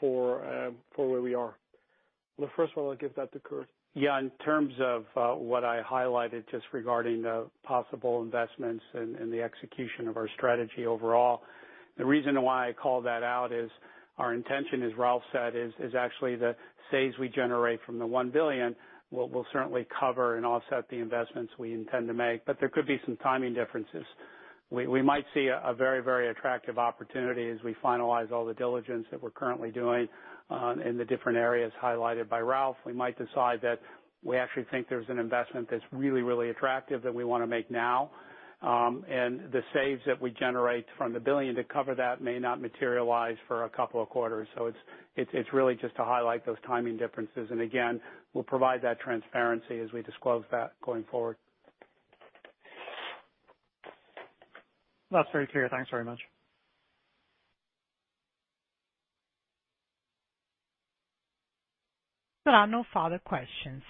C: for where we are. On the first one, I'll give that to Kirt.
D: Yeah. In terms of what I highlighted just regarding the possible investments and the execution of our strategy overall, the reason why I call that out is our intention, as Ralph said, is actually the saves we generate from the 1 billion will certainly cover and offset the investments we intend to make. There could be some timing differences. We might see a very attractive opportunity as we finalize all the diligence that we're currently doing in the different areas highlighted by Ralph. We might decide that we actually think there's an investment that's really attractive that we wanna make now. The saves that we generate from the billion to cover that may not materialize for a couple of quarters. It's really just to highlight those timing differences. Again, we'll provide that transparency as we disclose that going forward.
T: That's very clear. Thanks very much.
A: There are no further questions.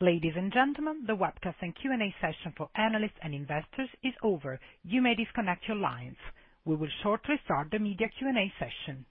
A: Ladies and gentlemen, the webcast and Q&A session for analysts and investors is over. You may disconnect your lines. We will shortly start the media Q&A session.